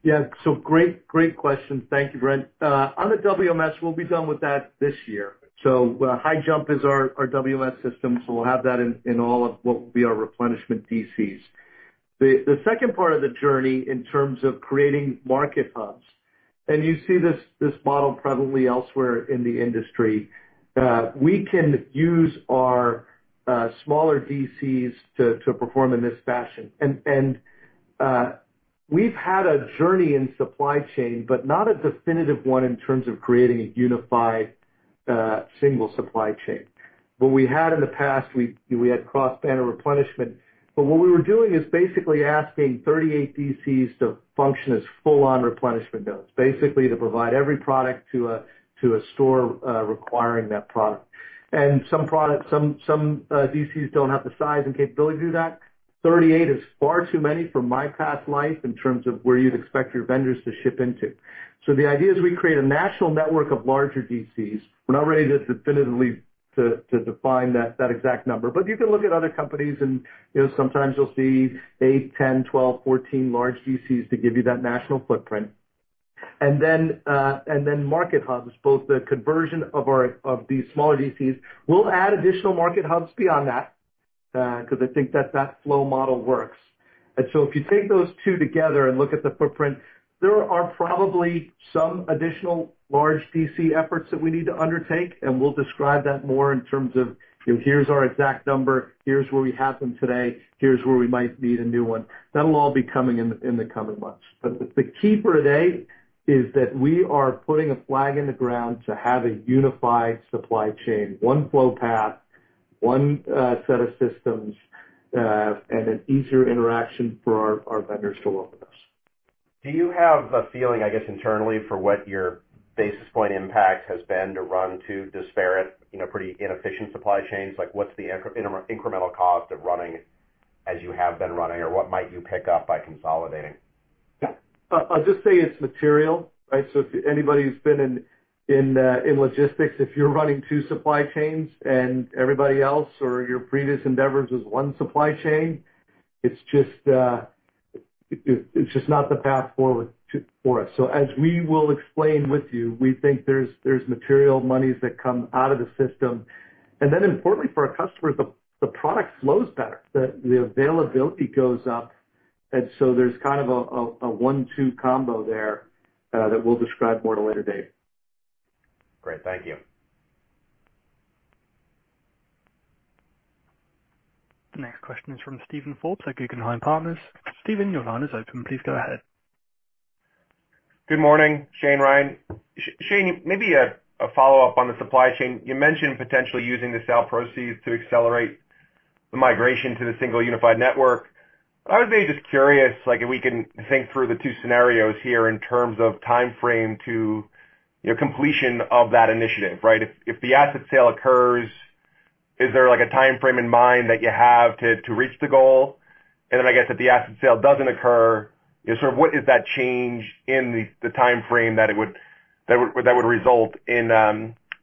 Yeah, so great question. Thank you, Bret. On the WMS, we'll be done with that this year. So HighJump is our WMS system, so we'll have that in all of what will be our replenishment DCs. The second part of the journey in terms of creating Market Hubs - and you see this model prevalently elsewhere in the industry - we can use our smaller DCs to perform in this fashion. And we've had a journey in supply chain, but not a definitive one in terms of creating a unified single supply chain. What we had in the past, we had cross-banner replenishment. But what we were doing is basically asking 38 DCs to function as full-on replenishment nodes, basically to provide every product to a store requiring that product. And some DCs don't have the size and capability to do that. 38 is far too many for my past life in terms of where you'd expect your vendors to ship into. So the idea is we create a national network of larger DCs. We're not ready to definitively define that exact number, but you can look at other companies, and sometimes you'll see 8, 10, 12, 14 large DCs to give you that national footprint. And then Market Hubs, both the conversion of these smaller DCs. We'll add additional Market Hubs beyond that because I think that that flow model works. And so if you take those two together and look at the footprint, there are probably some additional large DC efforts that we need to undertake. And we'll describe that more in terms of, "Here's our exact number. Here's where we have them today. Here's where we might need a new one." That'll all be coming in the coming months. The key for today is that we are putting a flag in the ground to have a unified supply chain, one flow path, one set of systems, and an easier interaction for our vendors to work with us. Do you have a feeling, I guess, internally for what your basis point impact has been to run two disparate, pretty inefficient supply chains? What's the incremental cost of running as you have been running, or what might you pick up by consolidating? Yeah. I'll just say it's material, right? So if anybody who's been in logistics, if you're running two supply chains and everybody else or your previous endeavors was one supply chain, it's just not the path forward for us. So as we will explain with you, we think there's material monies that come out of the system. And then importantly for our customers, the product flows better. The availability goes up. And so there's kind of a one, two combo there that we'll describe more at a later date. Great. Thank you. The next question is from Steven Forbes at Guggenheim Partners. Steven, your line is open. Please go ahead. Good morning, Shane, Ryan. Shane, maybe a follow-up on the supply chain. You mentioned potentially using the sale proceeds to accelerate the migration to the single unified network. But I was maybe just curious if we can think through the two scenarios here in terms of timeframe to completion of that initiative, right? And then I guess if the asset sale occurs, is there a timeframe in mind that you have to reach the goal? And then I guess if the asset sale doesn't occur, sort of what is that change in the timeframe that it would result in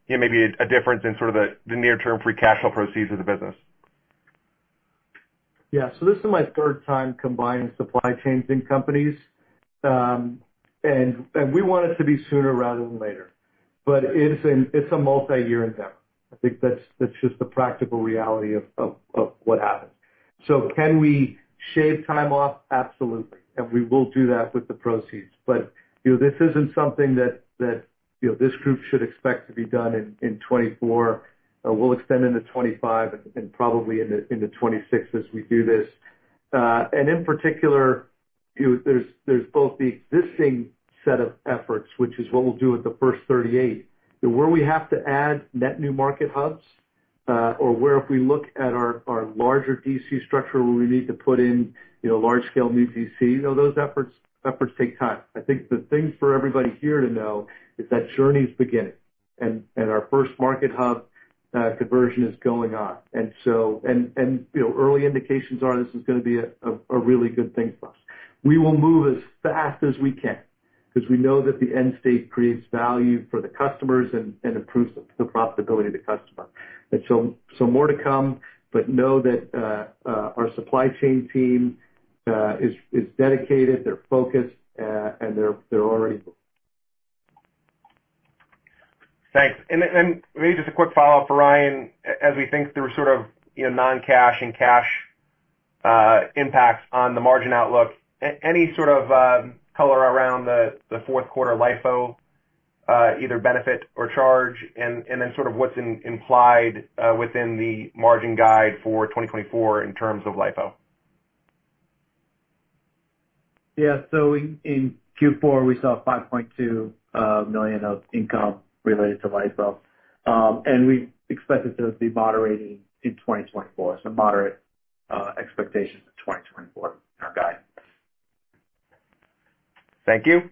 maybe a difference in sort of the near-term free cash flow proceeds of the business? Yeah, so this is my third time combining supply chains in companies. We want it to be sooner rather than later. But it's a multi-year endeavor. I think that's just the practical reality of what happens. So can we shave time off? Absolutely. And we will do that with the proceeds. But this isn't something that this group should expect to be done in 2024. We'll extend into 2025 and probably into 2026 as we do this. And in particular, there's both the existing set of efforts, which is what we'll do with the first 38, where we have to add net new Market Hubs, or where if we look at our larger DC structure where we need to put in large-scale new DC. Those efforts take time. I think the thing for everybody here to know is that journey's beginning, and our first Market Hub conversion is going on. Early indications are this is going to be a really good thing for us. We will move as fast as we can because we know that the end state creates value for the customers and improves the profitability of the customer. So more to come, but know that our supply chain team is dedicated. They're focused, and they're already moving. Thanks. Maybe just a quick follow-up for Ryan. As we think through sort of non-cash and cash impacts on the margin outlook, any sort of color around the fourth-quarter LIFO, either benefit or charge? Then sort of what's implied within the margin guide for 2024 in terms of LIFO? Yeah, so in Q4, we saw $5.2 million of income related to LIFO. We expect it to be moderating in 2024. Moderate expectations in 2024 in our guide. Thank you.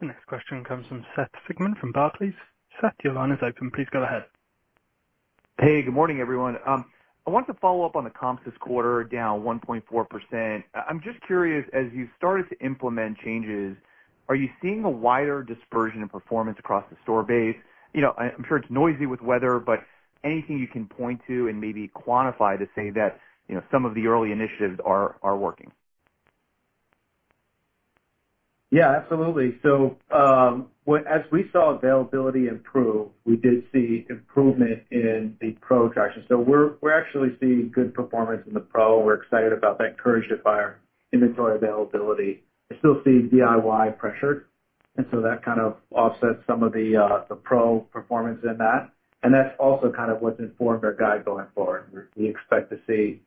The next question comes from Seth Sigman from Barclays. Seth, your line is open. Please go ahead. Hey, good morning, everyone. I wanted to follow up on the comps this quarter, down 1.4%. I'm just curious, as you started to implement changes, are you seeing a wider dispersion of performance across the store base? I'm sure it's noisy with weather, but anything you can point to and maybe quantify to say that some of the early initiatives are working? Yeah, absolutely. So as we saw availability improve, we did see improvement in the Pro traction. So we're actually seeing good performance in the Pro. We're excited about that, encouraged by our inventory availability. I still see DIY pressured. And so that kind of offsets some of the Pro performance in that. And that's also kind of what's informed our guide going forward. We expect to see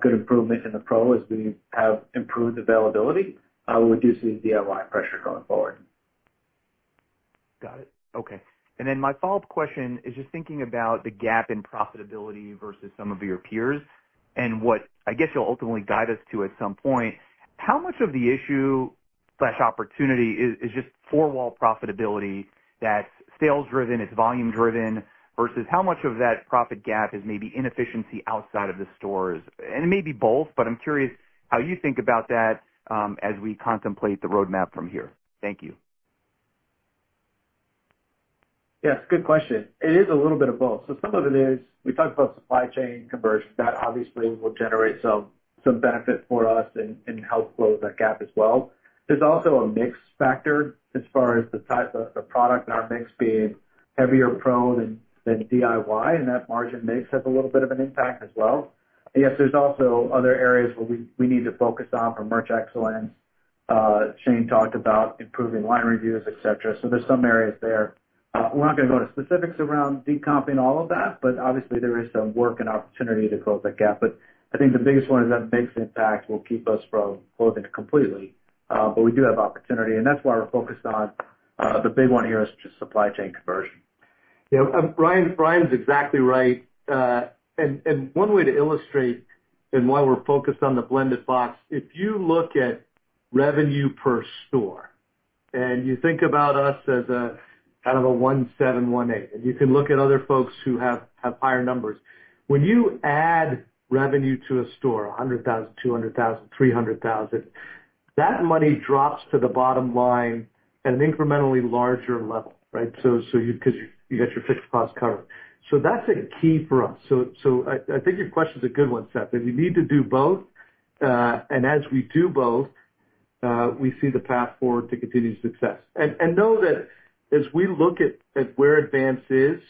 good improvement in the Pro. As we have improved availability, we do see DIY pressure going forward. Got it. Okay. And then my follow-up question is just thinking about the gap in profitability versus some of your peers and what I guess you'll ultimately guide us to at some point. How much of the issue/opportunity is just four-wall profitability that's sales-driven, it's volume-driven, versus how much of that profit gap is maybe inefficiency outside of the stores? And it may be both, but I'm curious how you think about that as we contemplate the roadmap from here. Thank you. Yeah, it's a good question. It is a little bit of both. So some of it is we talked about supply chain conversion. That obviously will generate some benefit for us and help close that gap as well. There's also a mix factor as far as the product in our mix being heavier pro than DIY, and that margin mix has a little bit of an impact as well. Yes, there's also other areas where we need to focus on for merch excellence. Shane talked about improving line reviews, etc. So there's some areas there. We're not going to go into specifics around decomping all of that, but obviously, there is some work and opportunity to close that gap. But I think the biggest one is that mix impact will keep us from closing it completely. But we do have opportunity, and that's why we're focused on the big one here is just supply chain conversion. Yeah, Ryan's exactly right. One way to illustrate and why we're focused on the Blended Box, if you look at revenue per store and you think about us as kind of a $1.7, $18, and you can look at other folks who have higher numbers, when you add revenue to a store, $100,000, $200,000, $300,000, that money drops to the bottom line at an incrementally larger level, right, because you got your fixed costs covered. So that's a key for us. So I think your question's a good one, Seth, that we need to do both. As we do both, we see the path forward to continued success. Know that as we look at where Advance is,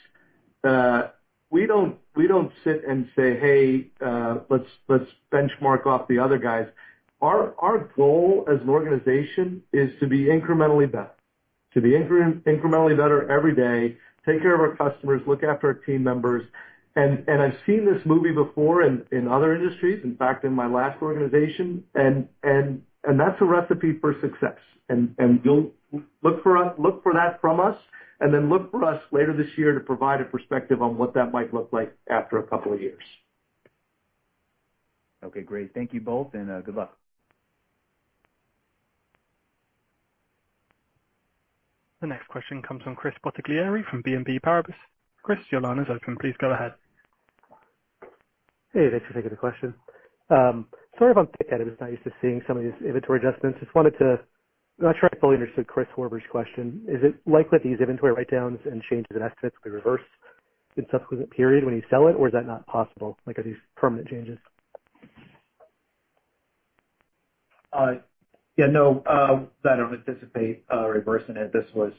we don't sit and say, "Hey, let's benchmark off the other guys." Our goal as an organization is to be incrementally better, to be incrementally better every day, take care of our customers, look after our team members. I've seen this movie before in other industries, in fact, in my last organization, and that's a recipe for success. Look for that from us and then look for us later this year to provide a perspective on what that might look like after a couple of years. Okay, great. Thank you both, and good luck. The next question comes from Chris Bottiglieri from BNP Paribas. Chris, your line is open. Please go ahead. Hey, thanks for taking the question. Sorry if I'm thick-headed. I'm just not used to seeing some of these inventory adjustments. I'm not sure I fully understood Chris Horvers's question. Is it likely that these inventory write-downs and changes in estimates will be reversed in the subsequent period when you sell it, or is that not possible? Are these permanent changes? Yeah, no, I don't anticipate reversing it. This was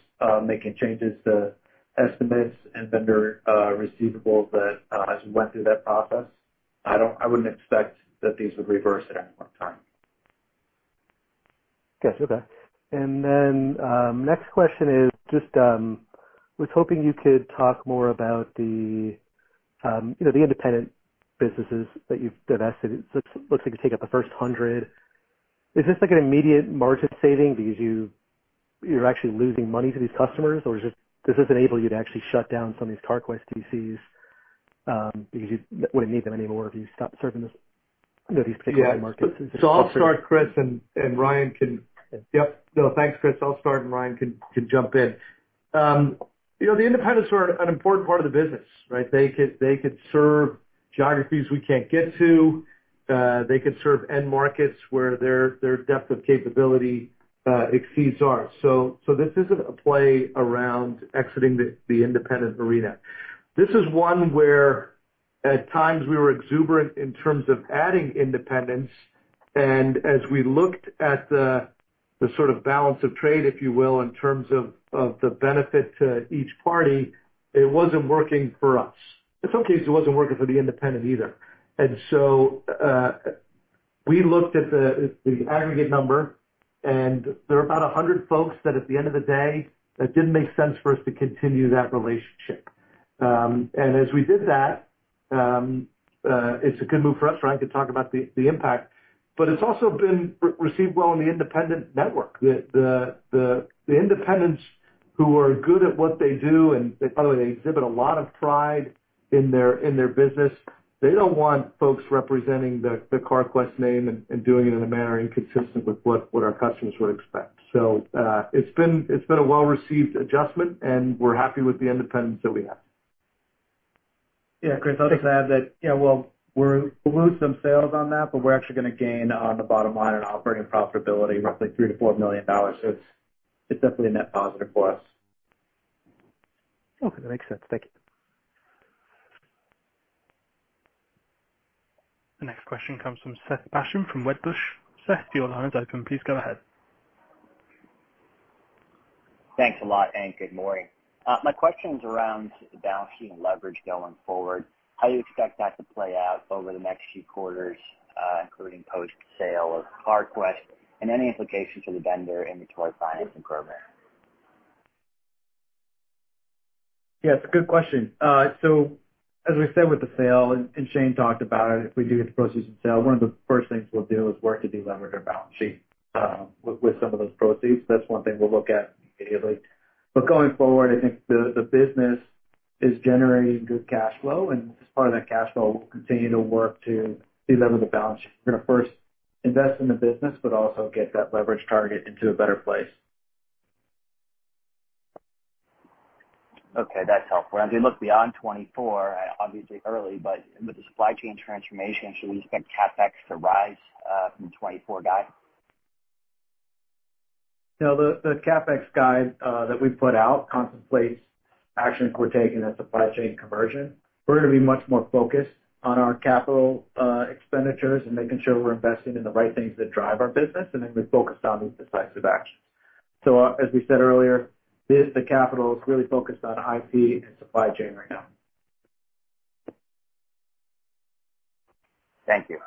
making changes to estimates and vendor receivables that as we went through that process, I wouldn't expect that these would reverse at any point in time. Gotcha. Okay. And then next question is just I was hoping you could talk more about the independent businesses that you've invested in. It looks like you take up the first 100. Is this an immediate margin saving because you're actually losing money to these customers, or does this enable you to actually shut down some of these Carquest DCs because you wouldn't need them anymore if you stopped serving these particular markets? Yeah, so I'll start, Chris, and Ryan can—yep, no, thanks, Chris. I'll start, and Ryan can jump in. The independents are an important part of the business, right? They could serve geographies we can't get to. They could serve end markets where their depth of capability exceeds ours. So this isn't a play around exiting the independent arena. This is one where at times, we were exuberant in terms of adding independents. And as we looked at the sort of balance of trade, if you will, in terms of the benefit to each party, it wasn't working for us. In some cases, it wasn't working for the independent either. And so we looked at the aggregate number, and there are about 100 folks that at the end of the day, it didn't make sense for us to continue that relationship. As we did that, it's a good move for us. Ryan could talk about the impact. It's also been received well in the independent network. The independents who are good at what they do, and by the way, they exhibit a lot of pride in their business, they don't want folks representing the Carquest name and doing it in a manner inconsistent with what our customers would expect. It's been a well-received adjustment, and we're happy with the independents that we have. Yeah, Chris, I'll just add that, yeah, well, we'll lose some sales on that, but we're actually going to gain on the bottom line and operating profitability, roughly $3 million-$4 million. So it's definitely a net positive for us. Okay, that makes sense. Thank you. The next question comes from Seth Basham from Wedbush. Seth, your line is open. Please go ahead. Thanks a lot, Anne. Good morning. My question is around the balance sheet and leverage going forward. How do you expect that to play out over the next few quarters, including post-sale of Carquest and any implications for the vendor inventory financing program? Yeah, it's a good question. So as we said with the sale, and Shane talked about it, if we do get the proceeds in sale, one of the first things we'll do is work to deleverage our balance sheet with some of those proceeds. That's one thing we'll look at immediately. But going forward, I think the business is generating good cash flow, and as part of that cash flow, we'll continue to work to delever the balance sheet. We're going to first invest in the business but also get that leverage target into a better place. Okay, that's helpful. As we look beyond 2024, obviously early, but with the supply chain transformation, should we expect CapEx to rise from the 2024 guide? No, the CapEx guide that we put out contemplates actions we're taking at supply chain conversion. We're going to be much more focused on our capital expenditures and making sure we're investing in the right things that drive our business, and then we're focused on these decisive actions. So as we said earlier, the capital is really focused on IT and supply chain right now. Thank you.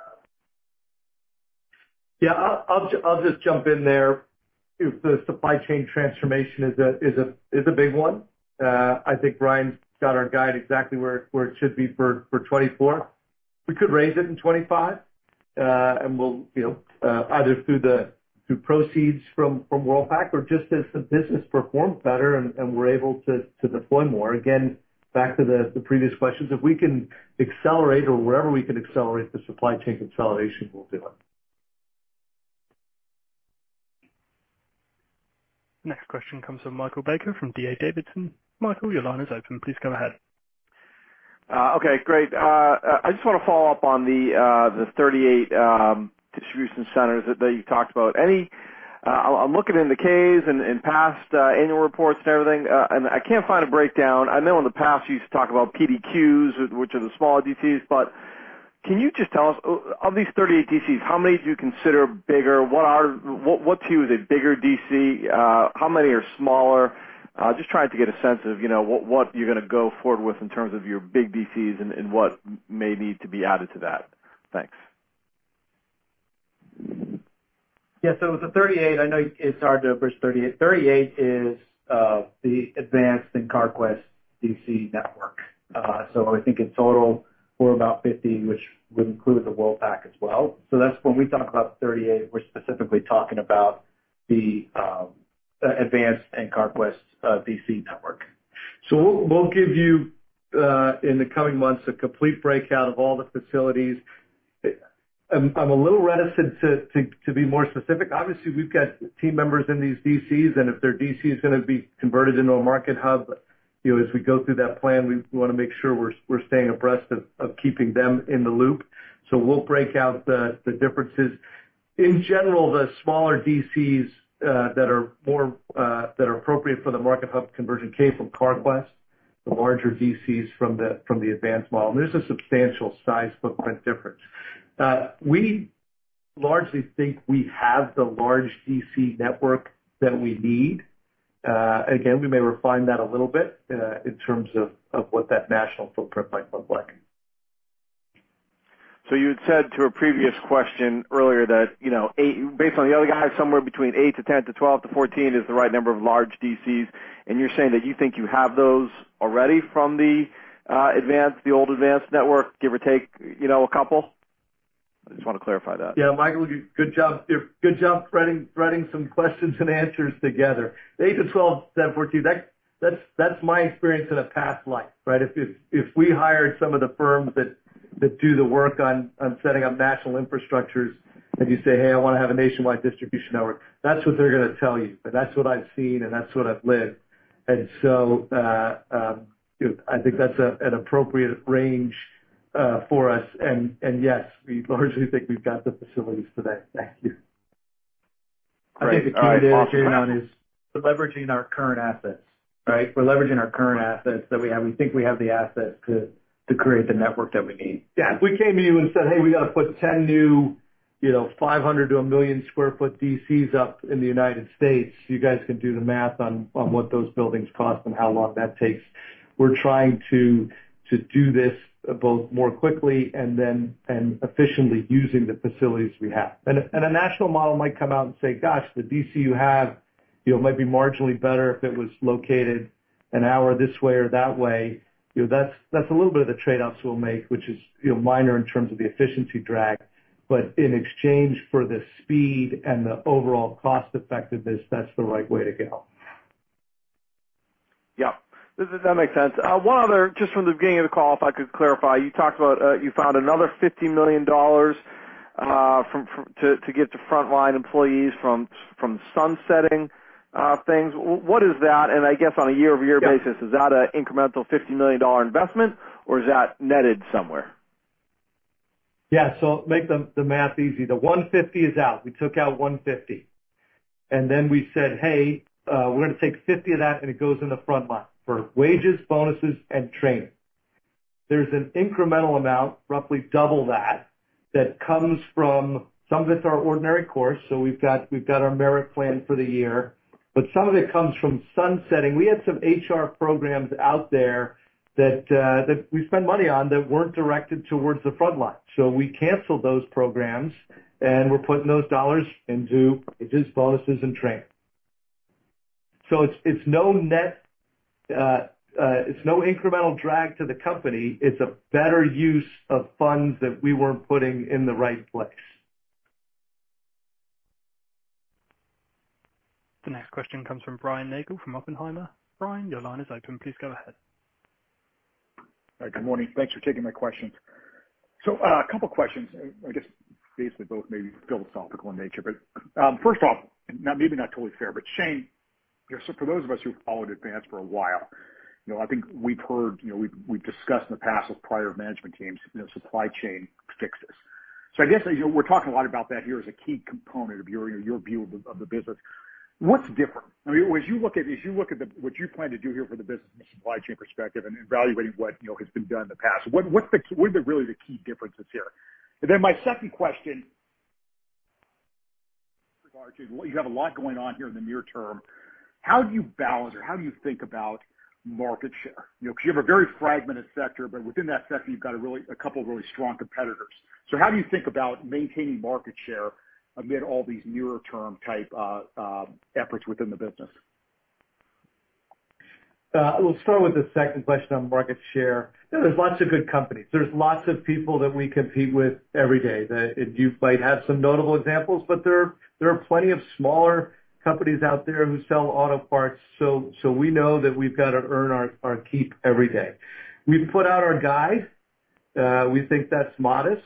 Yeah, I'll just jump in there. The supply chain transformation is a big one. I think Ryan's got our guide exactly where it should be for 2024. We could raise it in 2025, and we'll either through proceeds from Worldpac or just as the business performed better and we're able to deploy more. Again, back to the previous questions, if we can accelerate or wherever we can accelerate the supply chain consolidation, we'll do it. The next question comes from Michael Baker from D.A. Davidson. Michael, your line is open. Please go ahead. Okay, great. I just want to follow up on the 38 distribution centers that you talked about. I'm looking in the Ks and past annual reports and everything, and I can't find a breakdown. I know in the past, you used to talk about PDQs, which are the smaller DCs, but can you just tell us, of these 38 DCs, how many do you consider bigger? What to you is a bigger DC? How many are smaller? Just trying to get a sense of what you're going to go forward with in terms of your big DCs and what may need to be added to that. Thanks. Yeah, so the 38, I know it's hard to approach 38. 38 is the Advance and Carquest DC network. So I think in total, we're about 50, which would include the Worldpac as well. So when we talk about 38, we're specifically talking about the Advance and Carquest DC network. So we'll give you, in the coming months, a complete breakout of all the facilities. I'm a little reticent to be more specific. Obviously, we've got team members in these DCs, and if their DC is going to be converted into a Market Hub, as we go through that plan, we want to make sure we're staying abreast of keeping them in the loop. So we'll break out the differences. In general, the smaller DCs that are appropriate for the Market Hub conversion came from Carquest, the larger DCs from the Advance model. And there's a substantial size footprint difference. We largely think we have the large DC network that we need. Again, we may refine that a little bit in terms of what that national footprint might look like. So you had said to a previous question earlier that based on the other guys, somewhere between 8 to 10 to 12 to 14 is the right number of large DCs. And you're saying that you think you have those already from the old Advance network, give or take a couple? I just want to clarify that. Yeah, Michael, good job threading some questions and answers together. 8-12, 10, 14, that's my experience in a past life, right? If we hired some of the firms that do the work on setting up national infrastructures and you say, "Hey, I want to have a nationwide distribution network," that's what they're going to tell you. And that's what I've seen, and that's what I've lived. And so I think that's an appropriate range for us. And yes, we largely think we've got the facilities today. Thank you. I think the key to it, Shane O'Kelly, is leveraging our current assets, right? We're leveraging our current assets that we have. We think we have the assets to create the network that we need. Yeah, if we came to you and said, "Hey, we got to put 10 new 500- to 1 million-sq ft DCs up in the United States," you guys can do the math on what those buildings cost and how long that takes. We're trying to do this both more quickly and efficiently using the facilities we have. And a national model might come out and say, "Gosh, the DC you have might be marginally better if it was located an hour this way or that way." That's a little bit of the trade-offs we'll make, which is minor in terms of the efficiency drag. But in exchange for the speed and the overall cost-effectiveness, that's the right way to go. Yep, that makes sense. One other, just from the beginning of the call, if I could clarify, you talked about you found another $50 million to give to frontline employees from sunsetting things. What is that? And I guess on a year-over-year basis, is that an incremental $50 million investment, or is that netted somewhere? Yeah, so make the math easy. The $150 is out. We took out $150. And then we said, "Hey, we're going to take $50 of that, and it goes in the front line for wages, bonuses, and training." There's an incremental amount, roughly double that, that comes from some of it's our ordinary course. So we've got our merit plan for the year. But some of it comes from sunsetting. We had some HR programs out there that we spent money on that weren't directed towards the front line. So we canceled those programs, and we're putting those dollars into wages, bonuses, and training. So it's no incremental drag to the company. It's a better use of funds that we weren't putting in the right place. The next question comes from Brian Nagel from Oppenheimer. Brian, your line is open. Please go ahead. All right, good morning. Thanks for taking my questions. So a couple of questions, I guess basically both maybe philosophical in nature. But first off, maybe not totally fair, but Shane, for those of us who've followed Advance for a while, I think we've heard we've discussed in the past with prior management teams, "Supply chain fixes." So I guess we're talking a lot about that here as a key component of your view of the business. What's different? I mean, as you look at what you plan to do here for the business from a supply chain perspective and evaluating what has been done in the past, what are really the key differences here? And then my second question with regard to you have a lot going on here in the near term. How do you balance or how do you think about market share? Because you have a very fragmented sector, but within that sector, you've got a couple of really strong competitors. So how do you think about maintaining market share amid all these nearer-term type efforts within the business? We'll start with the second question on market share. There's lots of good companies. There's lots of people that we compete with every day. And you might have some notable examples, but there are plenty of smaller companies out there who sell auto parts. So we know that we've got to earn our keep every day. We've put out our guide. We think that's modest.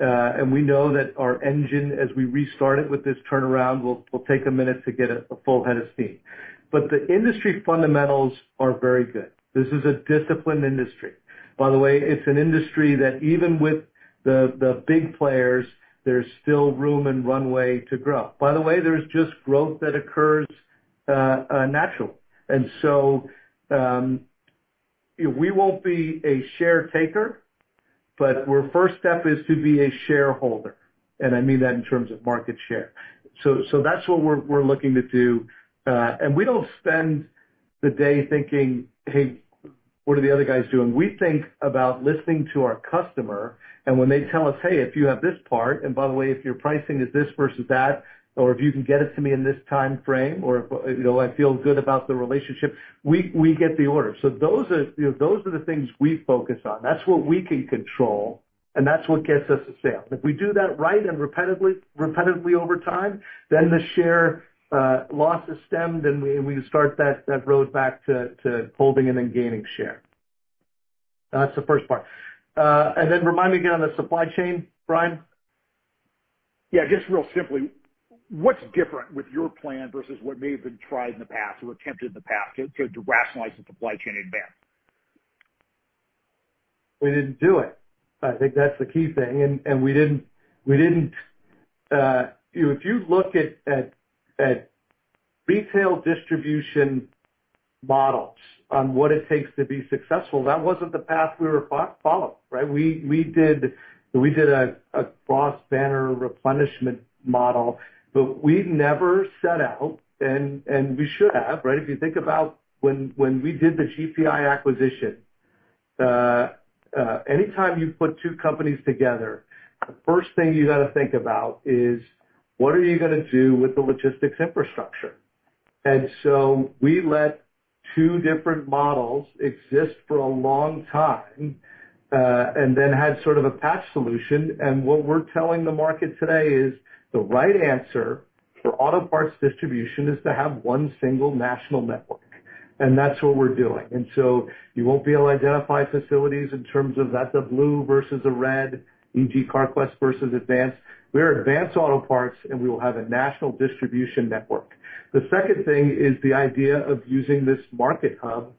And we know that our engine, as we restart it with this turnaround, we'll take a minute to get a full head of steam. But the industry fundamentals are very good. This is a disciplined industry. By the way, it's an industry that even with the big players, there's still room and runway to grow. By the way, there's just growth that occurs naturally. And so we won't be a share taker, but our first step is to be a shareholder. I mean that in terms of market share. So that's what we're looking to do. We don't spend the day thinking, "Hey, what are the other guys doing?" We think about listening to our customer. When they tell us, "Hey, if you have this part, and by the way, if your pricing is this versus that, or if you can get it to me in this time frame, or if I feel good about the relationship," we get the order. So those are the things we focus on. That's what we can control, and that's what gets us a sale. If we do that right and repetitively over time, then the share loss is stemmed, and we can start that road back to holding and then gaining share. That's the first part. Then remind me again on the supply chain, Brian. Yeah, just real simply, what's different with your plan versus what may have been tried in the past or attempted in the past to rationalize the supply chain in Advance? We didn't do it. I think that's the key thing. And we didn't if you look at retail distribution models on what it takes to be successful, that wasn't the path we were followed, right? We did a cross-banner replenishment model, but we never set out, and we should have, right? If you think about when we did the GPI acquisition, anytime you put two companies together, the first thing you got to think about is, "What are you going to do with the logistics infrastructure?" And so we let two different models exist for a long time and then had sort of a patch solution. And what we're telling the market today is the right answer for auto parts distribution is to have one single national network. And that's what we're doing. And so you won't be able to identify facilities in terms of that's a blue versus a red, e.g., Carquest versus Advance. We're Advance Auto Parts, and we will have a national distribution network. The second thing is the idea of using this Market Hub.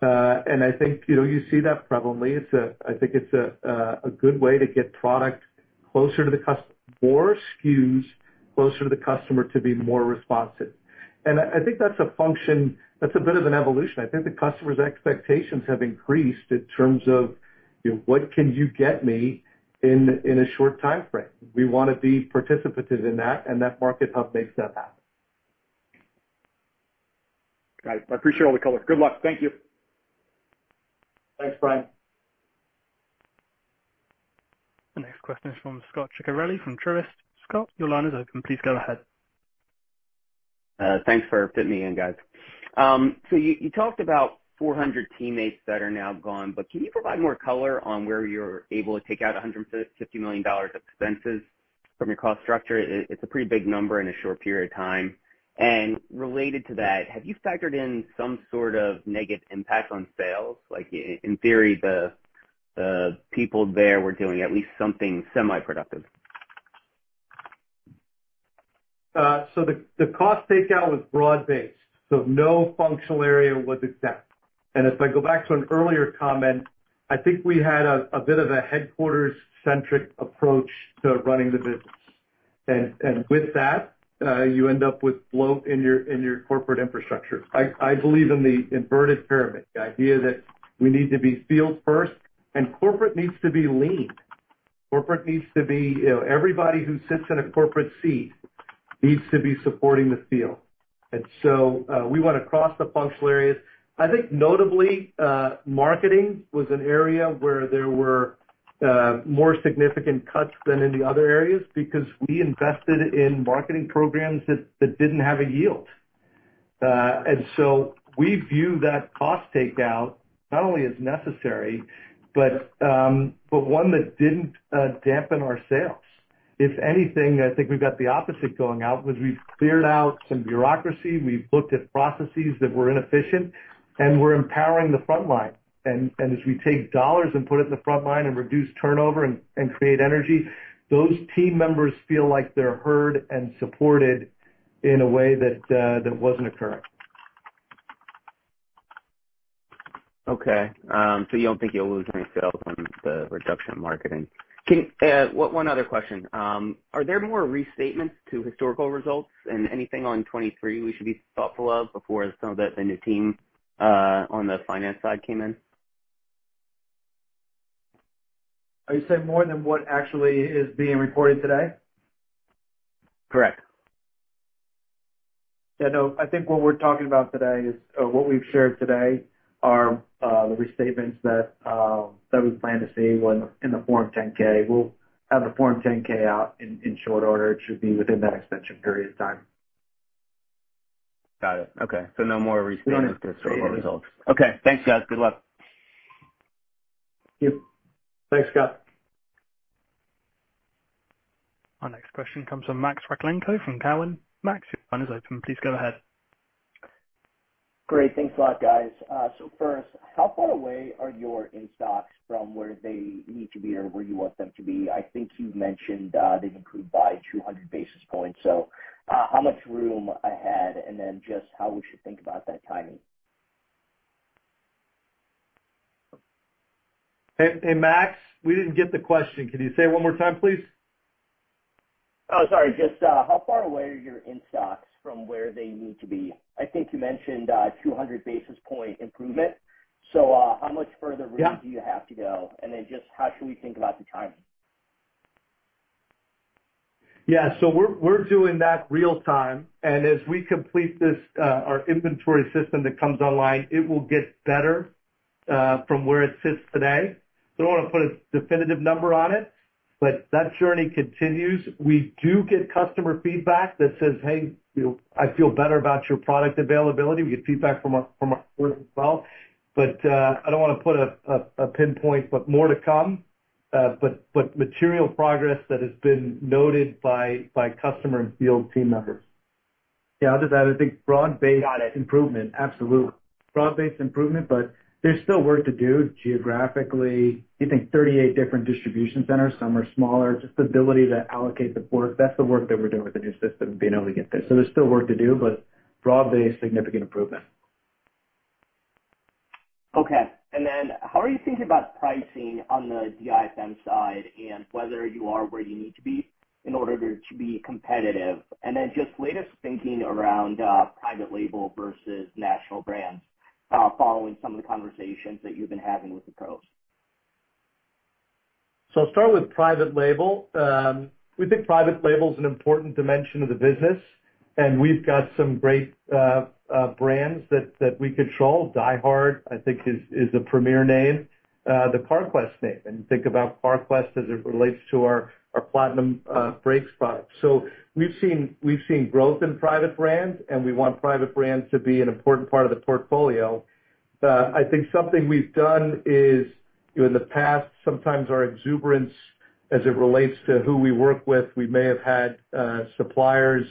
And I think you see that prevalently. I think it's a good way to get product closer to the customer, more SKUs closer to the customer to be more responsive. And I think that's a function that's a bit of an evolution. I think the customer's expectations have increased in terms of, "What can you get me in a short time frame?" We want to be participative in that, and that Market Hub makes that happen. Got it. I appreciate all the color. Good luck. Thank you. Thanks, Brian. The next question is from Scot Ciccarelli from Truist. Scott, your line is open. Please go ahead. Thanks for fitting me in, guys. So you talked about 400 teammates that are now gone, but can you provide more color on where you're able to take out $150 million of expenses from your cost structure? It's a pretty big number in a short period of time. And related to that, have you factored in some sort of negative impact on sales? In theory, the people there were doing at least something semi-productive. So the cost takeout was broad-based. So no functional area was exempt. And if I go back to an earlier comment, I think we had a bit of a headquarters-centric approach to running the business. And with that, you end up with bloat in your corporate infrastructure. I believe in the inverted pyramid, the idea that we need to be field-first, and corporate needs to be lean. Corporate needs to be everybody who sits in a corporate seat needs to be supporting the field. And so we want to cross the functional areas. I think notably, marketing was an area where there were more significant cuts than in the other areas because we invested in marketing programs that didn't have a yield. And so we view that cost takeout not only as necessary, but one that didn't dampen our sales. If anything, I think we've got the opposite going out because we've cleared out some bureaucracy. We've looked at processes that were inefficient, and we're empowering the front line. And as we take dollars and put it in the front line and reduce turnover and create energy, those team members feel like they're heard and supported in a way that wasn't occurring. Okay. So you don't think you'll lose any sales on the reduction in marketing. One other question. Are there more restatements to historical results and anything on 2023 we should be thoughtful of before some of the new team on the finance side came in? Are you saying more than what actually is being reported today? Correct. Yeah, no. I think what we're talking about today is what we've shared today are the restatements that we plan to see in the Form 10-K. We'll have the Form 10-K out in short order. It should be within that extension period of time. Got it. Okay. So no more restatements to historical results. Okay. Thanks, guys. Good luck. Thank you. Thanks, Scot. Our next question comes from Max Rakhlenko from Cowen. Max, your line is open. Please go ahead. Great. Thanks a lot, guys. So first, how far away are your in-stocks from where they need to be or where you want them to be? I think you mentioned they'd improve by 200 basis points. So how much room ahead and then just how we should think about that timing? Hey, Max, we didn't get the question. Can you say it one more time, please? Oh, sorry. Just how far away are your in-stocks from where they need to be? I think you mentioned 200 basis point improvement. So how much further room do you have to go? And then just how should we think about the timing? Yeah. So we're doing that real-time. And as we complete our inventory system that comes online, it will get better from where it sits today. So I don't want to put a definitive number on it, but that journey continues. We do get customer feedback that says, "Hey, I feel better about your product availability." We get feedback from our employees as well. But I don't want to put a pinpoint, but more to come, but material progress that has been noted by customer and field team members. Yeah, other than that, I think broad-based improvement. Absolutely. Broad-based improvement, but there's still work to do geographically. I think 38 different distribution centers, some are smaller, just the ability to allocate the work. That's the work that we're doing with the new system, being able to get there. So there's still work to do, but broad-based significant improvement. Okay. And then how are you thinking about pricing on the DIFM side and whether you are where you need to be in order to be competitive? And then just latest thinking around private label versus national brands following some of the conversations that you've been having with the pros. So I'll start with private label. We think private label is an important dimension of the business. And we've got some great brands that we control. DieHard, I think, is a premier name, the Carquest name. And think about Carquest as it relates to our Platinum brakes product. So we've seen growth in private brands, and we want private brands to be an important part of the portfolio. I think something we've done is in the past, sometimes our exuberance as it relates to who we work with, we may have had suppliers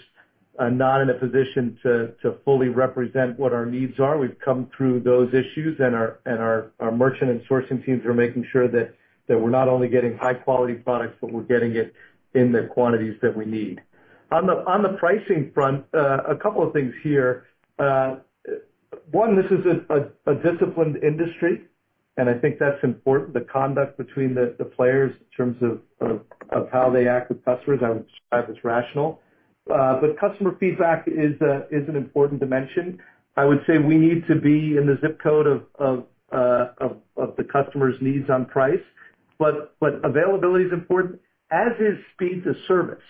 not in a position to fully represent what our needs are. We've come through those issues, and our merchant and sourcing teams are making sure that we're not only getting high-quality products, but we're getting it in the quantities that we need. On the pricing front, a couple of things here. One, this is a disciplined industry, and I think that's important, the conduct between the players in terms of how they act with customers. I would describe it as rational. But customer feedback is an important dimension. I would say we need to be in the zip code of the customer's needs on price, but availability is important as is speed to service.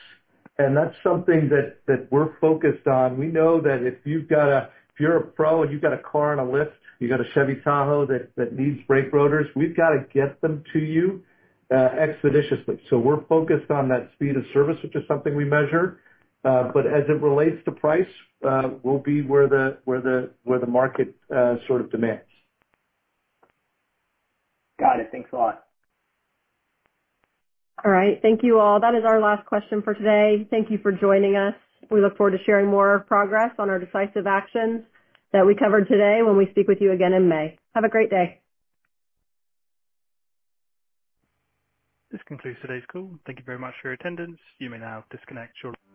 And that's something that we're focused on. We know that if you're a pro and you've got a car on a lift, you've got a Chevy Tahoe that needs brake rotors, we've got to get them to you expeditiously. So we're focused on that speed of service, which is something we measure. But as it relates to price, we'll be where the market sort of demands. Got it. Thanks a lot. All right. Thank you all. That is our last question for today. Thank you for joining us. We look forward to sharing more progress on our decisive actions that we covered today when we speak with you again in May. Have a great day. This concludes today's call. Thank you very much for your attendance. You may now disconnect your.